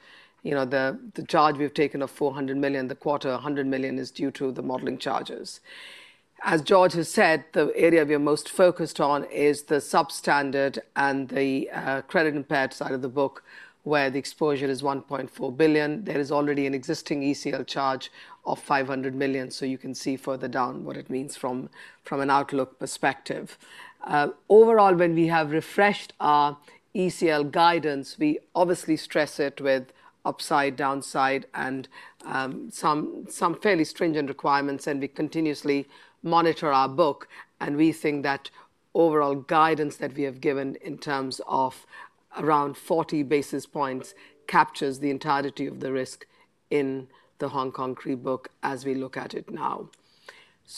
the charge we've taken of $400 million the quarter, $100 million is due to the modeling charges. As Georges has said, the area we are most focused on is the substandard and the credit impaired side of the book, where the exposure is $1.4 billion. There is already an existing ECL charge of $500 million. You can see further down what it means from an outlook perspective. Overall, when we have refreshed our ECL guidance, we obviously stress it with upside, downside, and some fairly stringent requirements. We continuously monitor our book. We think that overall guidance that we have given in terms of around 40 basis points captures the entirety of the risk in the Hong Kong CRE book as we look at it now.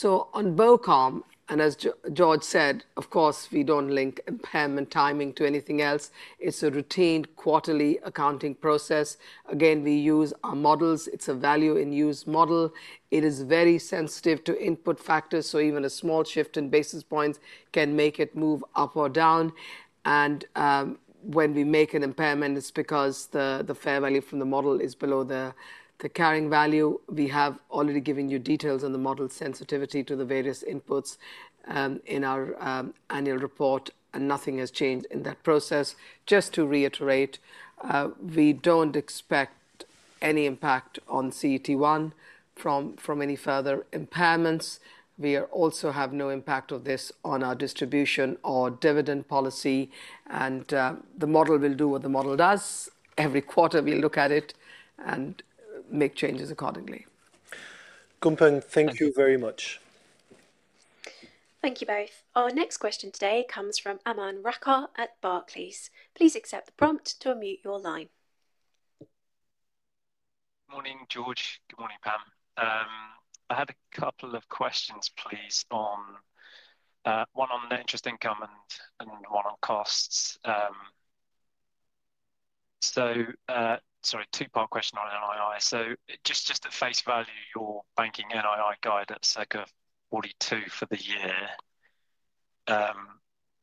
On BOCOM, and as Georges said, of course, we do not link impairment timing to anything else. It is a routine quarterly accounting process. Again, we use our models. It is a value-in-use model. It is very sensitive to input factors. Even a small shift in basis points can make it move up or down. When we make an impairment, it is because the fair value from the model is below the carrying value. We have already given you details on the model sensitivity to the various inputs in our annual report. Nothing has changed in that process. Just to reiterate, we do not expect any impact on CET1 from any further impairments. We also have no impact of this on our distribution or dividend policy. The model will do what the model does. Every quarter, we look at it and make changes accordingly.
Yun PENG, thank you very much.
Thank you both. Our next question today comes from Aman Rakkar at Barclays. Please accept the prompt to unmute your line.
Good morning, Georges. Good morning, Pam. I had a couple of questions, please, one on interest income and one on costs. Sorry, two-part question on NII. Just at face value, your banking NII guide at circa $42 billion for the year,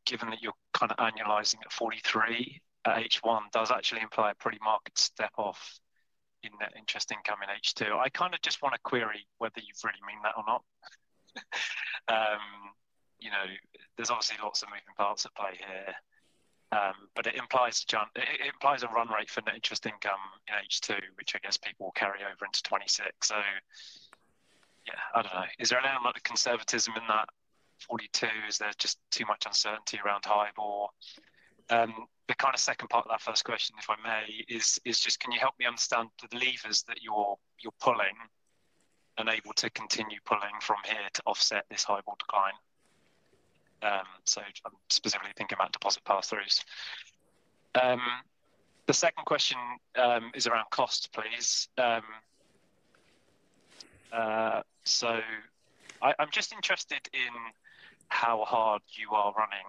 given that you are kind of annualizing at $43 billion at H1, does actually imply a pretty marked step off in net interest income in H2. I kind of just want to query whether you really mean that or not. There are obviously lots of moving parts at play here. It implies a run rate for net interest income in H2, which I guess people will carry over into 2026. Yeah, I do not know. Is there anything like the conservatism in that 42? Is there just too much uncertainty around HIBOR? The kind of second part of that first question, if I may, is just can you help me understand the levers that you are pulling and able to continue pulling from here to offset this HIBOR decline? I am specifically thinking about deposit pass-throughs. The second question is around cost, please. I am just interested in how hard you are running.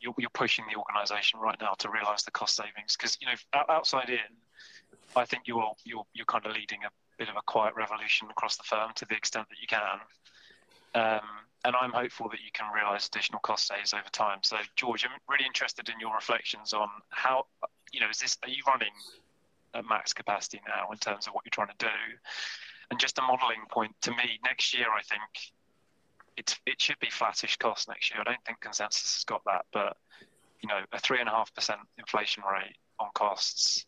You are pushing the organization right now to realize the cost savings. Because outside in, I think you are kind of leading a bit of a quiet revolution across the firm to the extent that you can. I am hopeful that you can realize additional cost savings over time. So Georges, I'm really interested in your reflections on how are you running at max capacity now in terms of what you're trying to do? And just a modeling point, to me, next year, I think it should be flattish costs next year. I don't think consensus has got that. But a 3.5% inflation rate on costs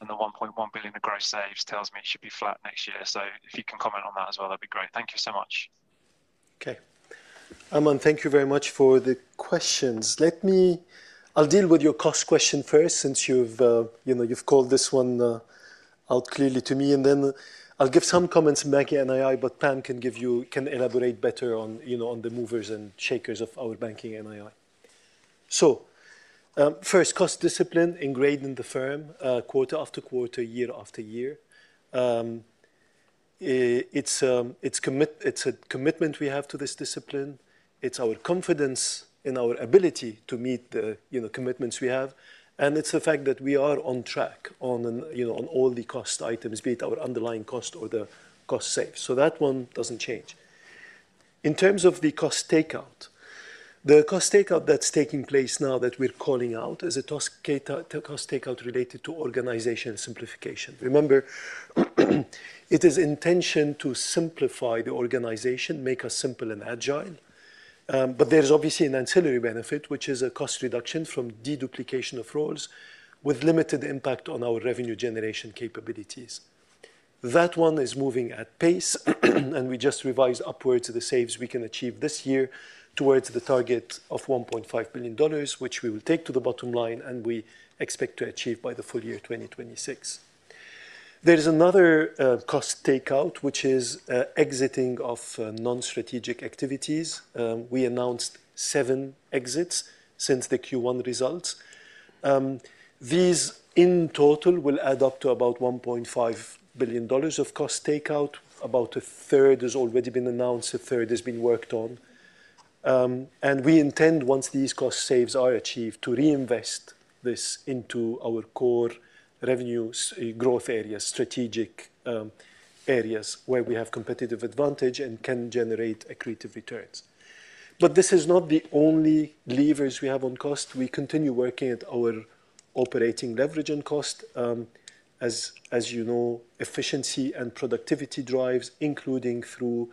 and the $1.1 billion of gross saves tells me it should be flat next year. If you can comment on that as well, that'd be great. Thank you so much.
Okay. Aman, thank you very much for the questions. I'll deal with your cost question first since you've called this one out clearly to me. Then I'll give some comments in banking NII, but Pam can elaborate better on the movers and shakers of our banking NII. First, cost discipline ingrained in the firm quarter after quarter, year after year. It's a commitment we have to this discipline. It's our confidence in our ability to meet the commitments we have. It's the fact that we are on track on all the cost items, be it our underlying cost or the cost save. That one doesn't change. In terms of the cost takeout, the cost takeout that's taking place now that we're calling out is a cost takeout related to organization simplification. Remember, it is intention to simplify the organization, make us simple and agile. There's obviously an ancillary benefit, which is a cost reduction from deduplication of roles with limited impact on our revenue generation capabilities. That one is moving at pace. We just revised upwards the saves we can achieve this year towards the target of $1.5 billion, which we will take to the bottom line and we expect to achieve by the full year 2026. There is another cost takeout, which is exiting of non-strategic activities. We announced seven exits since the Q1 results. These, in total, will add up to about $1.5 billion of cost takeout. About a third has already been announced. A third has been worked on. We intend, once these cost saves are achieved, to reinvest this into our core revenue growth areas, strategic areas where we have competitive advantage and can generate accretive returns. This is not the only levers we have on cost. We continue working at our operating leverage and cost. As you know, efficiency and productivity drives, including through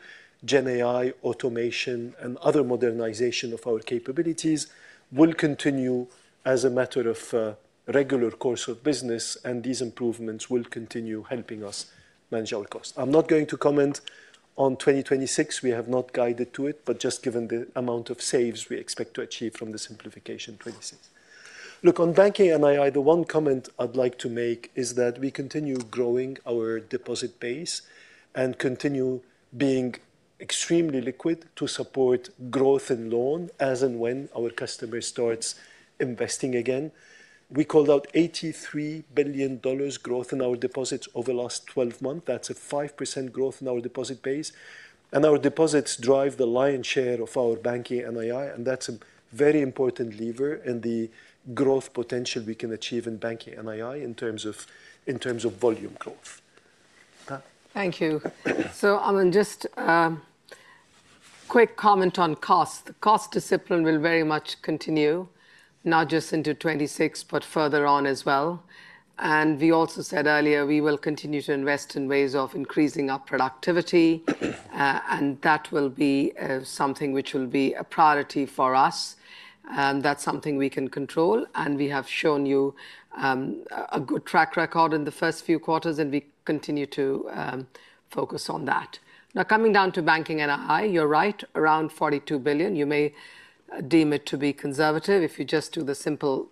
GenAI automation and other modernization of our capabilities, will continue as a matter of regular course of business. These improvements will continue helping us manage our costs. I'm not going to comment on 2026. We have not guided to it, but just given the amount of saves we expect to achieve from the simplification in 2026. Look, on banking NII, the one comment I'd like to make is that we continue growing our deposit base and continue being extremely liquid to support growth in loan as and when our customer starts investing again. We called out $83 billion growth in our deposits over the last 12 months. That's a 5% growth in our deposit base. Our deposits drive the lion's share of our banking NII. That is a very important lever in the growth potential we can achieve in banking NII in terms of volume growth. Pam?
Thank you. Aman, just a quick comment on cost. The cost discipline will very much continue, not just into 2026, but further on as well. We also said earlier we will continue to invest in ways of increasing our productivity. That will be something which will be a priority for us. That is something we can control. We have shown you a good track record in the first few quarters. We continue to focus on that. Now, coming down to banking NII, you are right, around $42 billion. You may deem it to be conservative if you just do the simple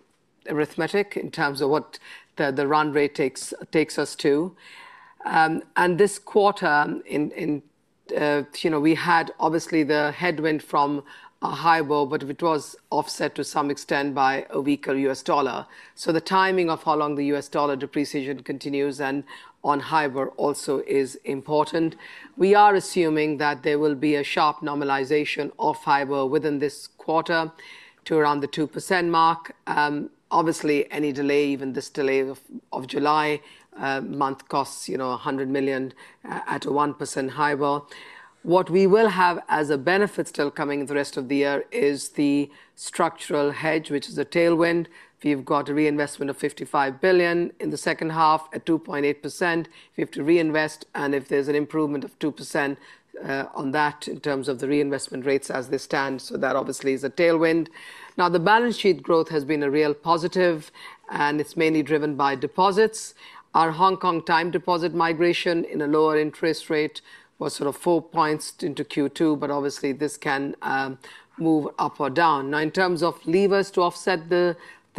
arithmetic in terms of what the run rate takes us to. This quarter, we had obviously the headwind from HIBOR, but it was offset to some extent by a weaker U.S. dollar. The timing of how long the U.S. dollar depreciation continues and on HIBOR also is important. We are assuming that there will be a sharp normalization of HIBOR within this quarter to around the 2% mark. Obviously, any delay, even this delay of July month, costs $100 million at a 1% HIBOR. What we will have as a benefit still coming the rest of the year is the structural hedge, which is a tailwind. We have got a reinvestment of $55 billion in the second half at 2.8%. We have to reinvest. If there is an improvement of 2% on that in terms of the reinvestment rates as they stand, that obviously is a tailwind. The balance sheet growth has been a real positive. It is mainly driven by deposits. Our Hong Kong time deposit migration in a lower interest rate was sort of four points into Q2. Obviously, this can move up or down. In terms of levers to offset the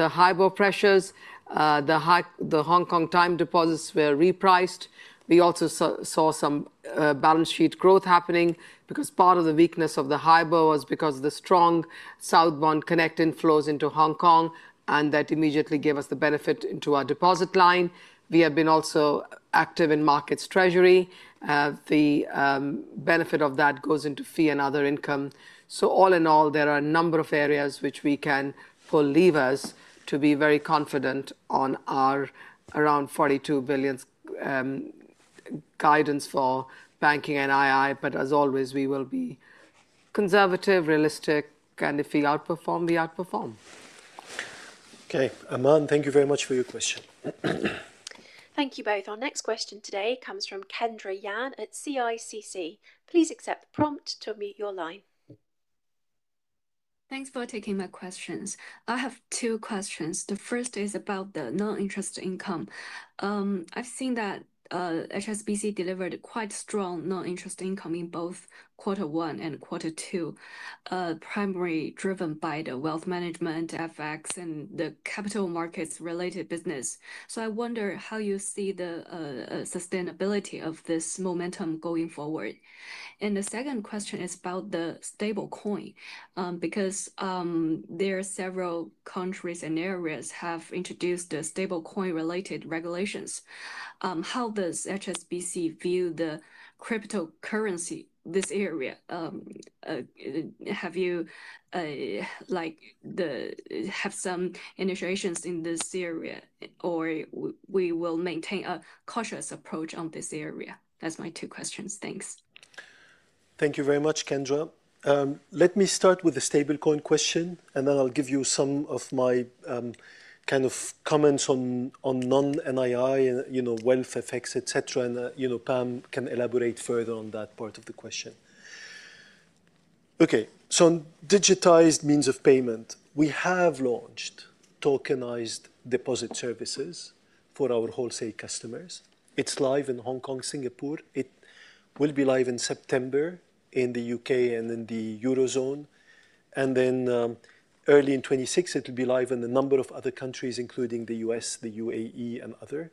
HIBOR pressures, the Hong Kong time deposits were repriced. We also saw some balance sheet growth happening because part of the weakness of the HIBOR was because of the strong southbound connecting flows into Hong Kong. That immediately gave us the benefit into our deposit line. We have been also active in markets treasury. The benefit of that goes into fee and other income. All in all, there are a number of areas which we can pull levers to be very confident on our around $42 billion guidance for banking NII. As always, we will be conservative, realistic. If we outperform, we outperform.
Okay. Aman, thank you very much for your question.
Thank you both. Our next question today comes from Kendra Yan at CICC. Please accept the prompt to unmute your line.
Thanks for taking my questions. I have two questions. The first is about the non-interest income. I've seen that HSBC delivered quite strong non-interest income in both quarter one and quarter two, primarily driven by the wealth management, FX, and the capital markets-related business. I wonder how you see the sustainability of this momentum going forward. The second question is about the stablecoin because there are several countries and areas that have introduced stablecoin-related regulations. How does HSBC view the cryptocurrency, this area? Have you had some initiations in this area? Or will we maintain a cautious approach on this area? That's my two questions. Thanks.
Thank you very much, Kendra. Let me start with a stablecoin question. I'll give you some of my kind of comments on non-NII and wealth effects, et cetera. Pam can elaborate further on that part of the question. Digitized means of payment. We have launched tokenized deposit services for our wholesale customers. It's live in Hong Kong, Singapore. It will be live in September in the U.K. and in the Eurozone. Early in 2026, it will be live in a number of other countries, including the U.S., the UAE, and others.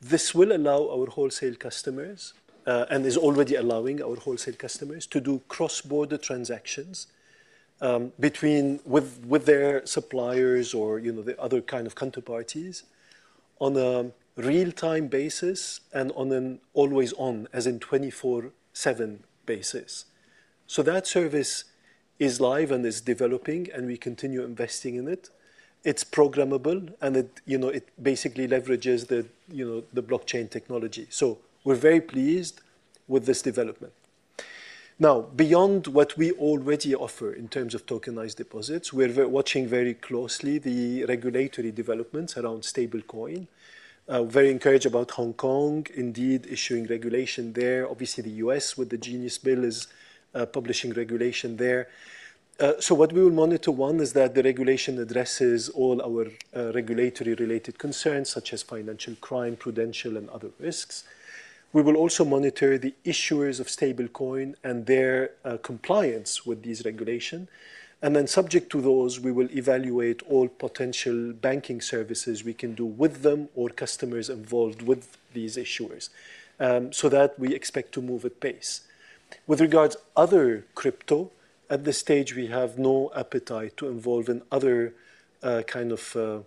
This will allow our wholesale customers and is already allowing our wholesale customers to do cross-border transactions with their suppliers or the other kind of counterparties on a real-time basis and on an always-on, as in 24/7 basis. That service is live and is developing. We continue investing in it. It's programmable. It basically leverages the blockchain technology. We're very pleased with this development. Now, beyond what we already offer in terms of tokenized deposits, we're watching very closely the regulatory developments around stablecoin. We're very encouraged about Hong Kong, indeed, issuing regulation there. Obviously, the U.S. with the Genius bill is publishing regulation there. What we will monitor, one, is that the regulation addresses all our regulatory-related concerns, such as financial crime, prudential, and other risks. We will also monitor the issuers of stablecoin and their compliance with these regulations. Subject to those, we will evaluate all potential banking services we can do with them or customers involved with these issuers so that we expect to move at pace. With regards to other crypto, at this stage, we have no appetite to involve in other kind of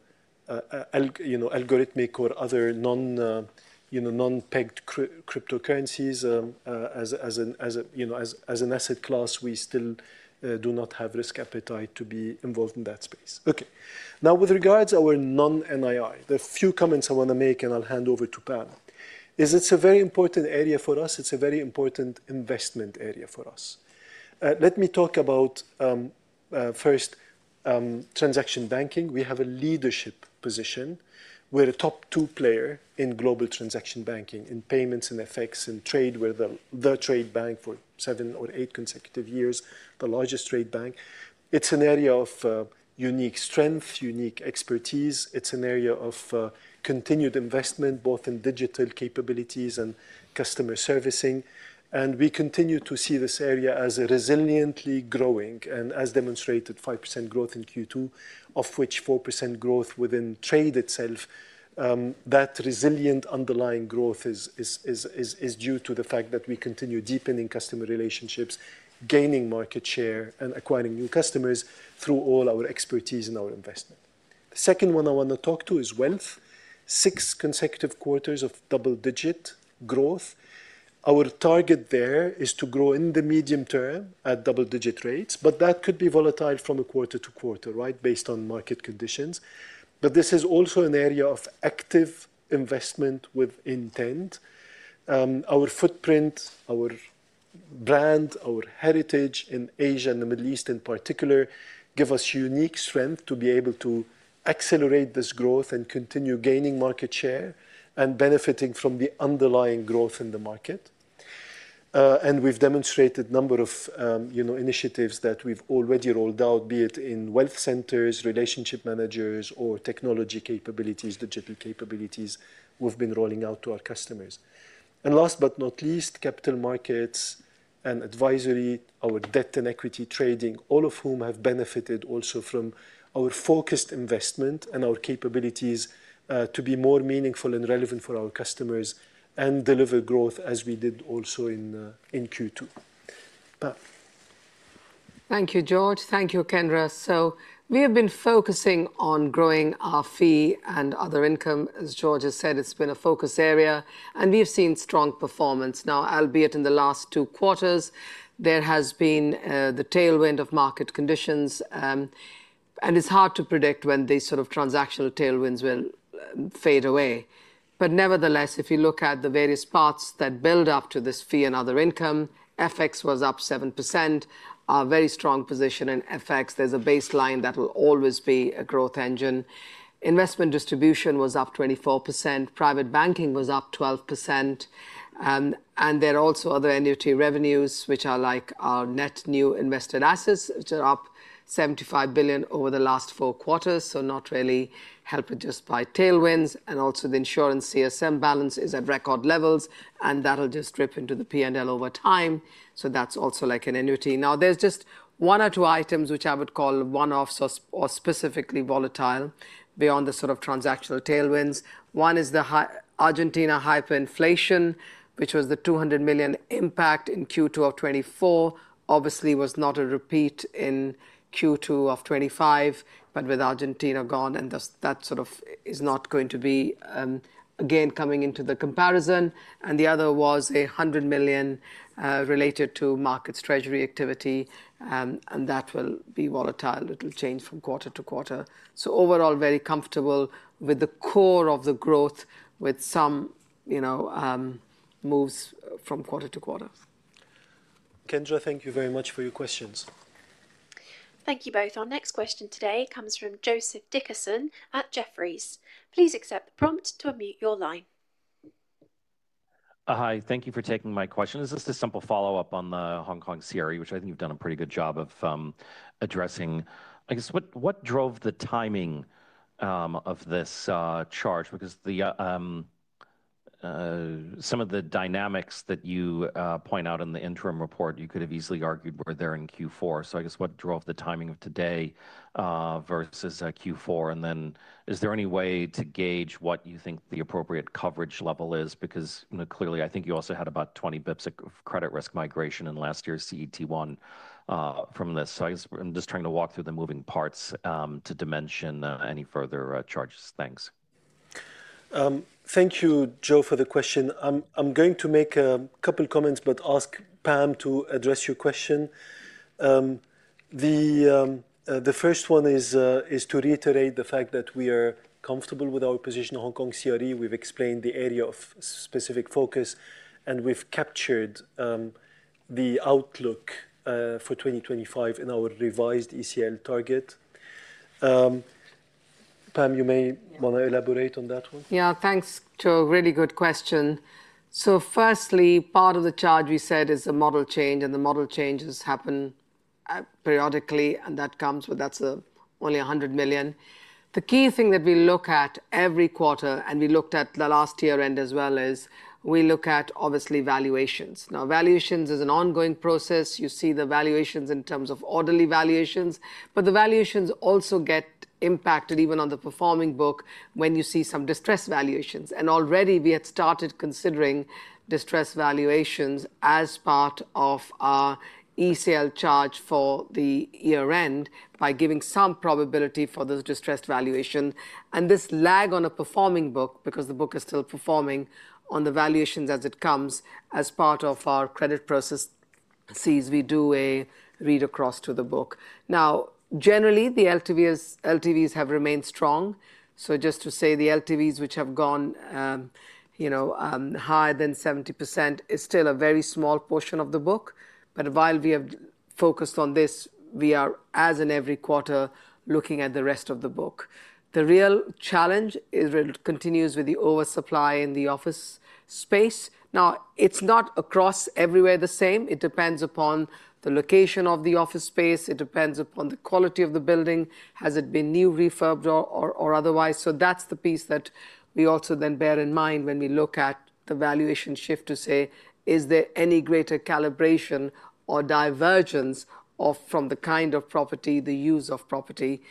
algorithmic or other non-pegged cryptocurrencies. As an asset class, we still do not have risk appetite to be involved in that space. Okay. Now, with regards to our non-NII, the few comments I want to make, and I'll hand over to Pam, is it's a very important area for us. It's a very important investment area for us. Let me talk about first transaction banking. We have a leadership position. We're a top two player in global transaction banking, in payments and FX, in trade. We're the trade bank for seven or eight consecutive years, the largest trade bank. It's an area of unique strength, unique expertise. It's an area of continued investment, both in digital capabilities and customer servicing. We continue to see this area as resiliently growing and as demonstrated 5% growth in Q2, of which 4% growth within trade itself. That resilient underlying growth is due to the fact that we continue deepening customer relationships, gaining market share, and acquiring new customers through all our expertise and our investment. The second one I want to talk to is wealth, six consecutive quarters of double-digit growth. Our target there is to grow in the medium term at double-digit rates. That could be volatile from quarter to quarter, right, based on market conditions. This is also an area of active investment with intent. Our footprint, our brand, our heritage in Asia and the Middle East in particular give us unique strength to be able to accelerate this growth and continue gaining market share and benefiting from the underlying growth in the market. We have demonstrated a number of initiatives that we have already rolled out, be it in wealth centers, relationship managers, or technology capabilities, digital capabilities we have been rolling out to our customers. Last but not least, capital markets and advisory, our debt and equity trading, all of whom have benefited also from our focused investment and our capabilities to be more meaningful and relevant for our customers and deliver growth as we did also in Q2. Pam?
Thank you, Georges. Thank you, Kendra. We have been focusing on growing our fee and other income. As Georges has said, it has been a focus area. We have seen strong performance now, albeit in the last two quarters. There has been the tailwind of market conditions. It is hard to predict when these sort of transactional tailwinds will fade away. Nevertheless, if you look at the various parts that build up to this fee and other income, FX was up 7%, a very strong position in FX. There's a baseline that will always be a growth engine. Investment distribution was up 24%. Private banking was up 12%. There are also other annuity revenues, which are like our net new invested assets, which are up $75 billion over the last four quarters. Not really helped just by tailwinds. Also, the insurance CSM balance is at record levels. That will just drip into the P&L over time. That's also like an annuity. Now, there's just one or two items which I would call one-offs or specifically volatile beyond the sort of transactional tailwinds. One is the Argentina hyperinflation, which was the $200 million impact in Q2 of 2024. Obviously, it was not a repeat in Q2 of 2025, but with Argentina gone, and that sort of is not going to be again coming into the comparison. The other was $100 million related to markets treasury activity. That will be volatile. It will change from quarter to quarter. Overall, very comfortable with the core of the growth with some moves from quarter to quarter.
Kendra, thank you very much for your questions.
Thank you both. Our next question today comes from Joseph Dickerson at Jefferies. Please accept the prompt to unmute your line.
Hi. Thank you for taking my question. This is just a simple follow-up on the Hong Kong CRE, which I think you've done a pretty good job of addressing. I guess, what drove the timing of this charge? Because some of the dynamics that you point out in the interim report, you could have easily argued were there in Q4. I guess, what drove the timing of today versus Q4? Is there any way to gauge what you think the appropriate coverage level is? Clearly, I think you also had about 20 basis points of credit risk migration in last year's CET1 from this. I'm just trying to walk through the moving parts to dimension any further charges. Thanks.
Thank you, Jo, for the question. I'm going to make a couple of comments but ask Pam to address your question. The first one is to reiterate the fact that we are comfortable with our position on Hong Kong CRE. We have explained the area of specific focus. We have captured the outlook for 2025 in our revised ECL target. Pam, you may want to elaborate on that one.
Yeah. Thanks, Jo. Really good question. Firstly, part of the charge we said is a model change. The model changes happen periodically, and that comes with, that's only $100 million. The key thing that we look at every quarter, and we looked at the last year end as well, is we look at, obviously, valuations. Valuations is an ongoing process. You see the valuations in terms of orderly valuations, but the valuations also get impacted even on the performing book when you see some distressed valuations. Already, we had started considering distressed valuations as part of our ECL charge for the year end by giving some probability for those distressed valuations. This lag on a performing book, because the book is still performing on the valuations as it comes, as part of our credit processes, we do a read across to the book. Now, generally, the LTVs have remained strong. Just to say, the LTVs which have gone higher than 70% is still a very small portion of the book. While we have focused on this, we are, as in every quarter, looking at the rest of the book. The real challenge continues with the oversupply in the office space. It is not across everywhere the same. It depends upon the location of the office space. It depends upon the quality of the building. Has it been new, refurbished, or otherwise? That is the piece that we also then bear in mind when we look at the valuation shift to say, is there any greater calibration or divergence from the kind of property, the use of property?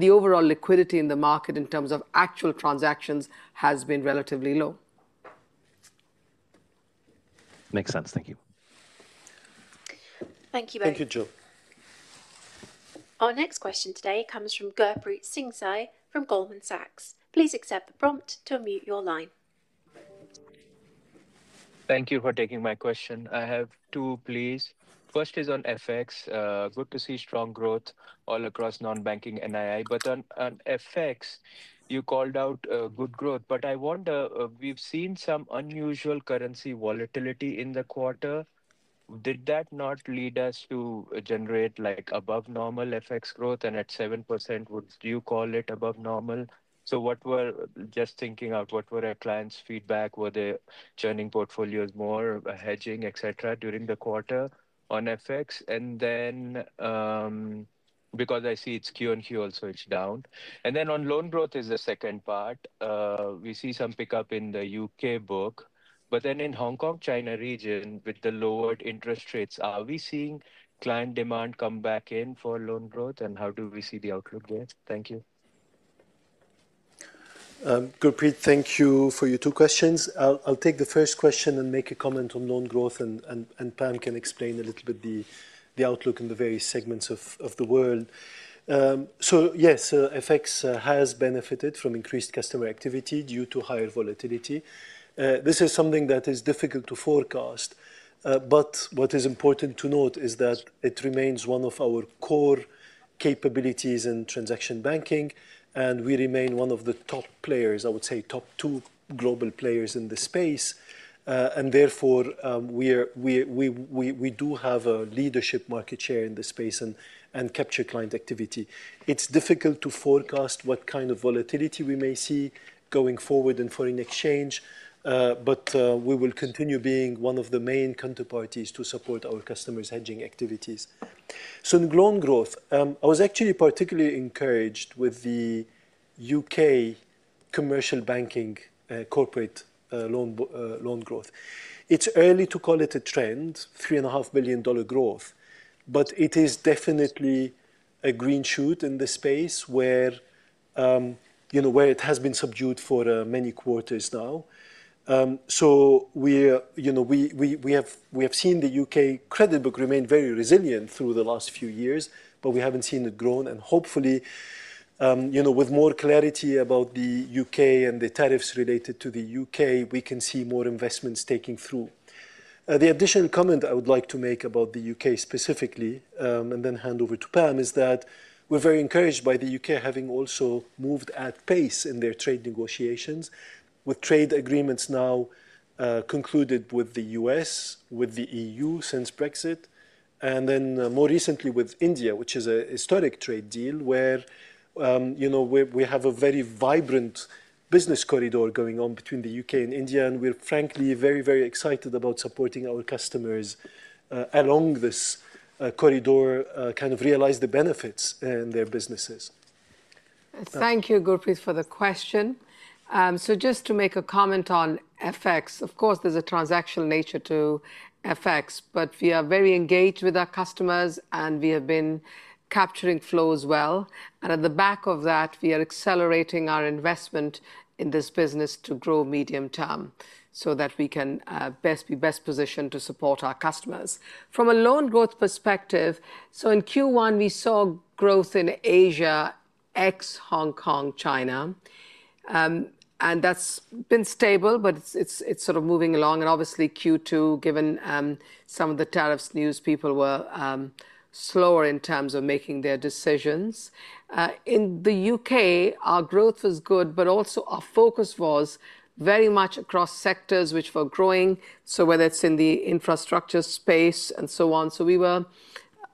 The overall liquidity in the market in terms of actual transactions has been relatively low.
Makes sense. Thank you.
Thank you both.
Thank you, Jo.
Our next question today comes from Gurpreet Singh from Goldman Sachs. Please accept the prompt to unmute your line.
Thank you for taking my question. I have two, please. First is on FX. Good to see strong growth all across non-banking NII. On FX, you called out good growth. I wonder, we have seen some unusual currency volatility in the quarter. Did that not lead us to generate above-normal FX growth? At 7%, would you call it above normal? Just thinking out, what were our clients' feedback? Were they churning portfolios more, hedging, et cetera, during the quarter on FX? Because I see it is Q&Q also, it is down. On loan growth is the second part. We see some pickup in the U.K. book. In Hong Kong, China region, with the lowered interest rates, are we seeing client demand come back in for loan growth? How do we see the outlook there? Thank you.
Gurpreet, thank you for your two questions. I will take the first question and make a comment on loan growth. Pam can explain a little bit the outlook in the various segments of the world. Yes, FX has benefited from increased customer activity due to higher volatility. This is something that is difficult to forecast. What is important to note is that it remains one of our core capabilities in transaction banking. We remain one of the top players, I would say top two global players in the space. Therefore, we do have a leadership market share in the space and capture client activity. It is difficult to forecast what kind of volatility we may see going forward in foreign exchange. We will continue being one of the main counterparties to support our customers' hedging activities. In loan growth, I was actually particularly encouraged with the U.K. commercial banking corporate loan growth. It is early to call it a trend, $3.5 billion growth. It is definitely a green shoot in the space where it has been subdued for many quarters now. We have seen the U.K. credit book remain very resilient through the last few years. We have not seen it grow. Hopefully, with more clarity about the U.K. and the tariffs related to the U.K., we can see more investments taking through. The additional comment I would like to make about the U.K. specifically, and then hand over to Pam, is that we are very encouraged by the U.K. having also moved at pace in their trade negotiations, with trade agreements now concluded with the U.S., with the EU since Brexit, and more recently with India, which is a historic trade deal where we have a very vibrant business corridor going on between the U.K. and India. We are, frankly, very, very excited about supporting our customers along this corridor, kind of realize the benefits in their businesses.
Thank you, Gurpreet, for the question. Just to make a comment on FX, of course, there is a transactional nature to FX. We are very engaged with our customers. We have been capturing flows well. At the back of that, we are accelerating our investment in this business to grow medium term so that we can be best positioned to support our customers. From a loan growth perspective, in Q1, we saw growth in Asia ex-Hong Kong, China. That has been stable, but it is sort of moving along. Obviously, in Q2, given some of the tariffs news, people were slower in terms of making their decisions. In the U.K., our growth was good. Also, our focus was very much across sectors which were growing, whether it is in the infrastructure space and so on. We were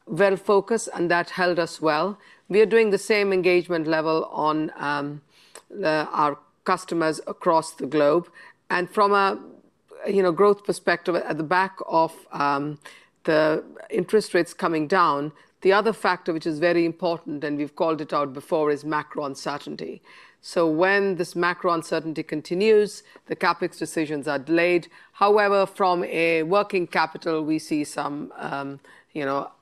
well focused, and that held us well. We are doing the same engagement level on our customers across the globe. From a growth perspective, at the back of the interest rates coming down, the other factor, which is very important, and we've called it out before, is macro uncertainty. When this macro uncertainty continues, the CapEx decisions are delayed. However, from a working capital, we see some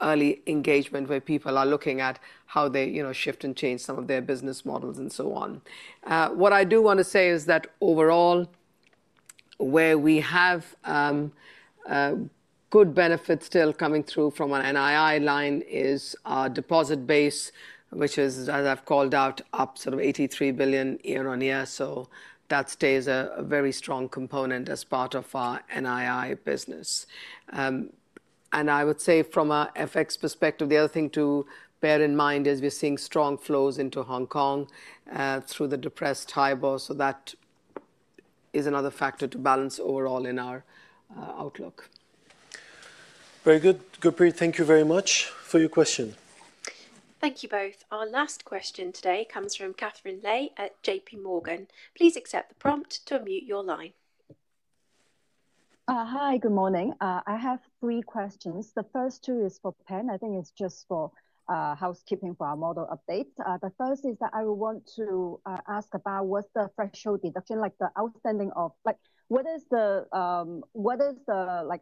early engagement where people are looking at how they shift and change some of their business models and so on. What I do want to say is that overall, where we have good benefits still coming through from an NII line is our deposit base, which is, as I've called out, up sort of $83 billion year on year. That stays a very strong component as part of our NII business. I would say, from an FX perspective, the other thing to bear in mind is we're seeing strong flows into Hong Kong through the depressed HIBOR. That is another factor to balance overall in our outlook.
Very good. Gurpreet, thank you very much for your question.
Thank you both. Our last question today comes from Katherine Lei at JPMorgan. Please accept the prompt to unmute your line.
Hi. Good morning. I have three questions. The first two is for Pam. I think it's just for housekeeping for our model update. The first is that I would want to ask about what's the threshold deduction, like the outstanding of what is the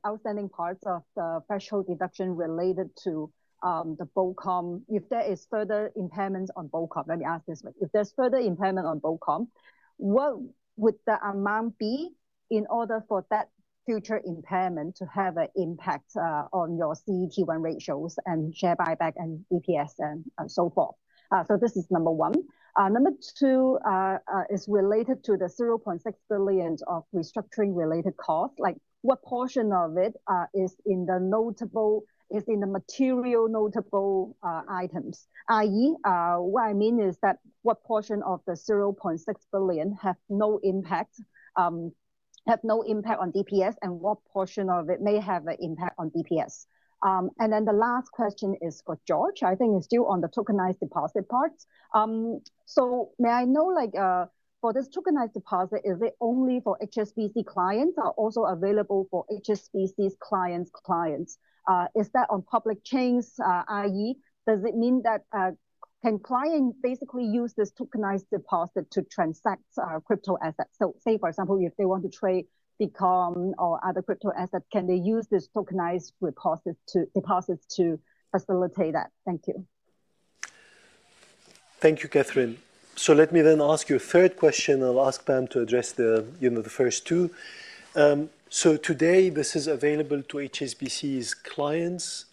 outstanding parts of the threshold deduction related to the BOCOM? If there is further impairment on BOCOM, let me ask this way. If there's further impairment on BOCOM, what would the amount be in order for that future impairment to have an impact on your CET1 ratios and share buyback and EPS and so forth? This is number one. Number two is related to the $0.6 billion of restructuring-related costs. What portion of it is in the notable, is in the material notable items? I.e., what I mean is that what portion of the $0.6 billion have no impact on DPS, and what portion of it may have an impact on DPS? The last question is for Georges. I think it's still on the tokenized deposit part. May I know, for this tokenized deposit, is it only for HSBC clients or also available for HSBC's clients' clients? Is that on public chains, i.e., does it mean that can clients basically use this tokenized deposit to transact crypto assets? Say, for example, if they want to trade Bitcoin or other crypto assets, can they use this tokenized deposit to facilitate that? Thank you.
Thank you, Katherine. Let me then ask you a third question. I'll ask Pam to address the first two. Today, this is available to HSBC's clients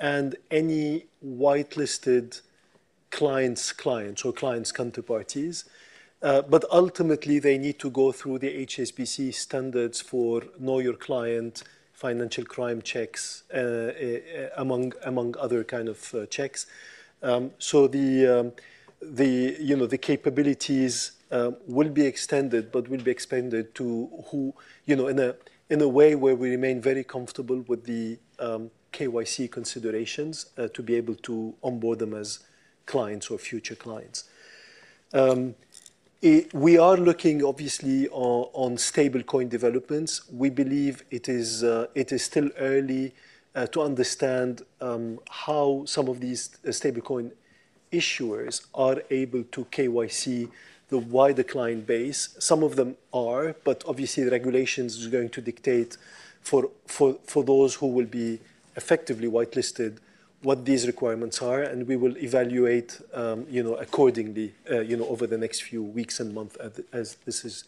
and any whitelisted clients' clients or clients' counterparties. Ultimately, they need to go through the HSBC standards for Know Your Client financial crime checks, among other kinds of checks. The capabilities will be extended, but will be expanded to who in a way where we remain very comfortable with the KYC considerations to be able to onboard them as clients or future clients. We are looking, obviously, on stablecoin developments. We believe it is still early to understand how some of these stablecoin issuers are able to KYC the wider client base. Some of them are. Obviously, the regulations are going to dictate for those who will be effectively whitelisted what these requirements are. We will evaluate accordingly over the next few weeks and months as this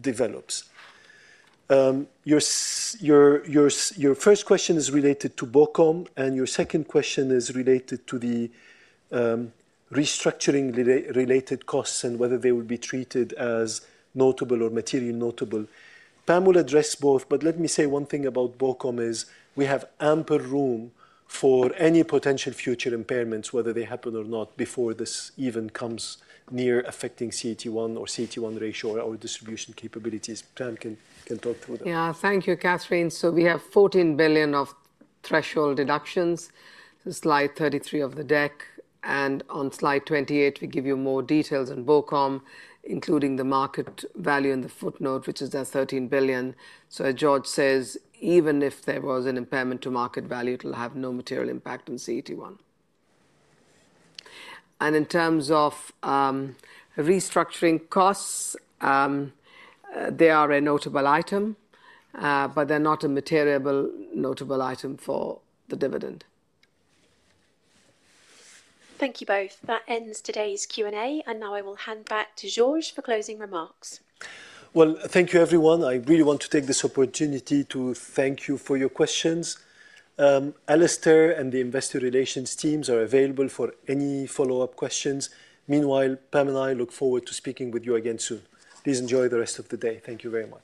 develops. Your first question is related to BOCOM. And your second question is related to the restructuring-related costs and whether they will be treated as notable or materially notable. Pam will address both. Let me say one thing about BOCOM is we have ample room for any potential future impairments, whether they happen or not, before this even comes near affecting CET1 or CET1 ratio or our distribution capabilities. Pam can talk through that.
Yeah. Thank you, Katherine. We have $14 billion of threshold deductions, slide 33 of the deck. On slide 28, we give you more details on BOCOM, including the market value in the footnote, which is that $13 billion. As Georges says, even if there was an impairment to market value, it will have no material impact on CET1. In terms of restructuring costs, they are a notable item. They're not a material notable item for the dividend.
Thank you both. That ends today's Q&A. I will hand back to Georges for closing remarks.
Thank you, everyone. I really want to take this opportunity to thank you for your questions. Alastair and the investor relations teams are available for any follow-up questions. Meanwhile, Pam and I look forward to speaking with you again soon. Please enjoy the rest of the day. Thank you very much.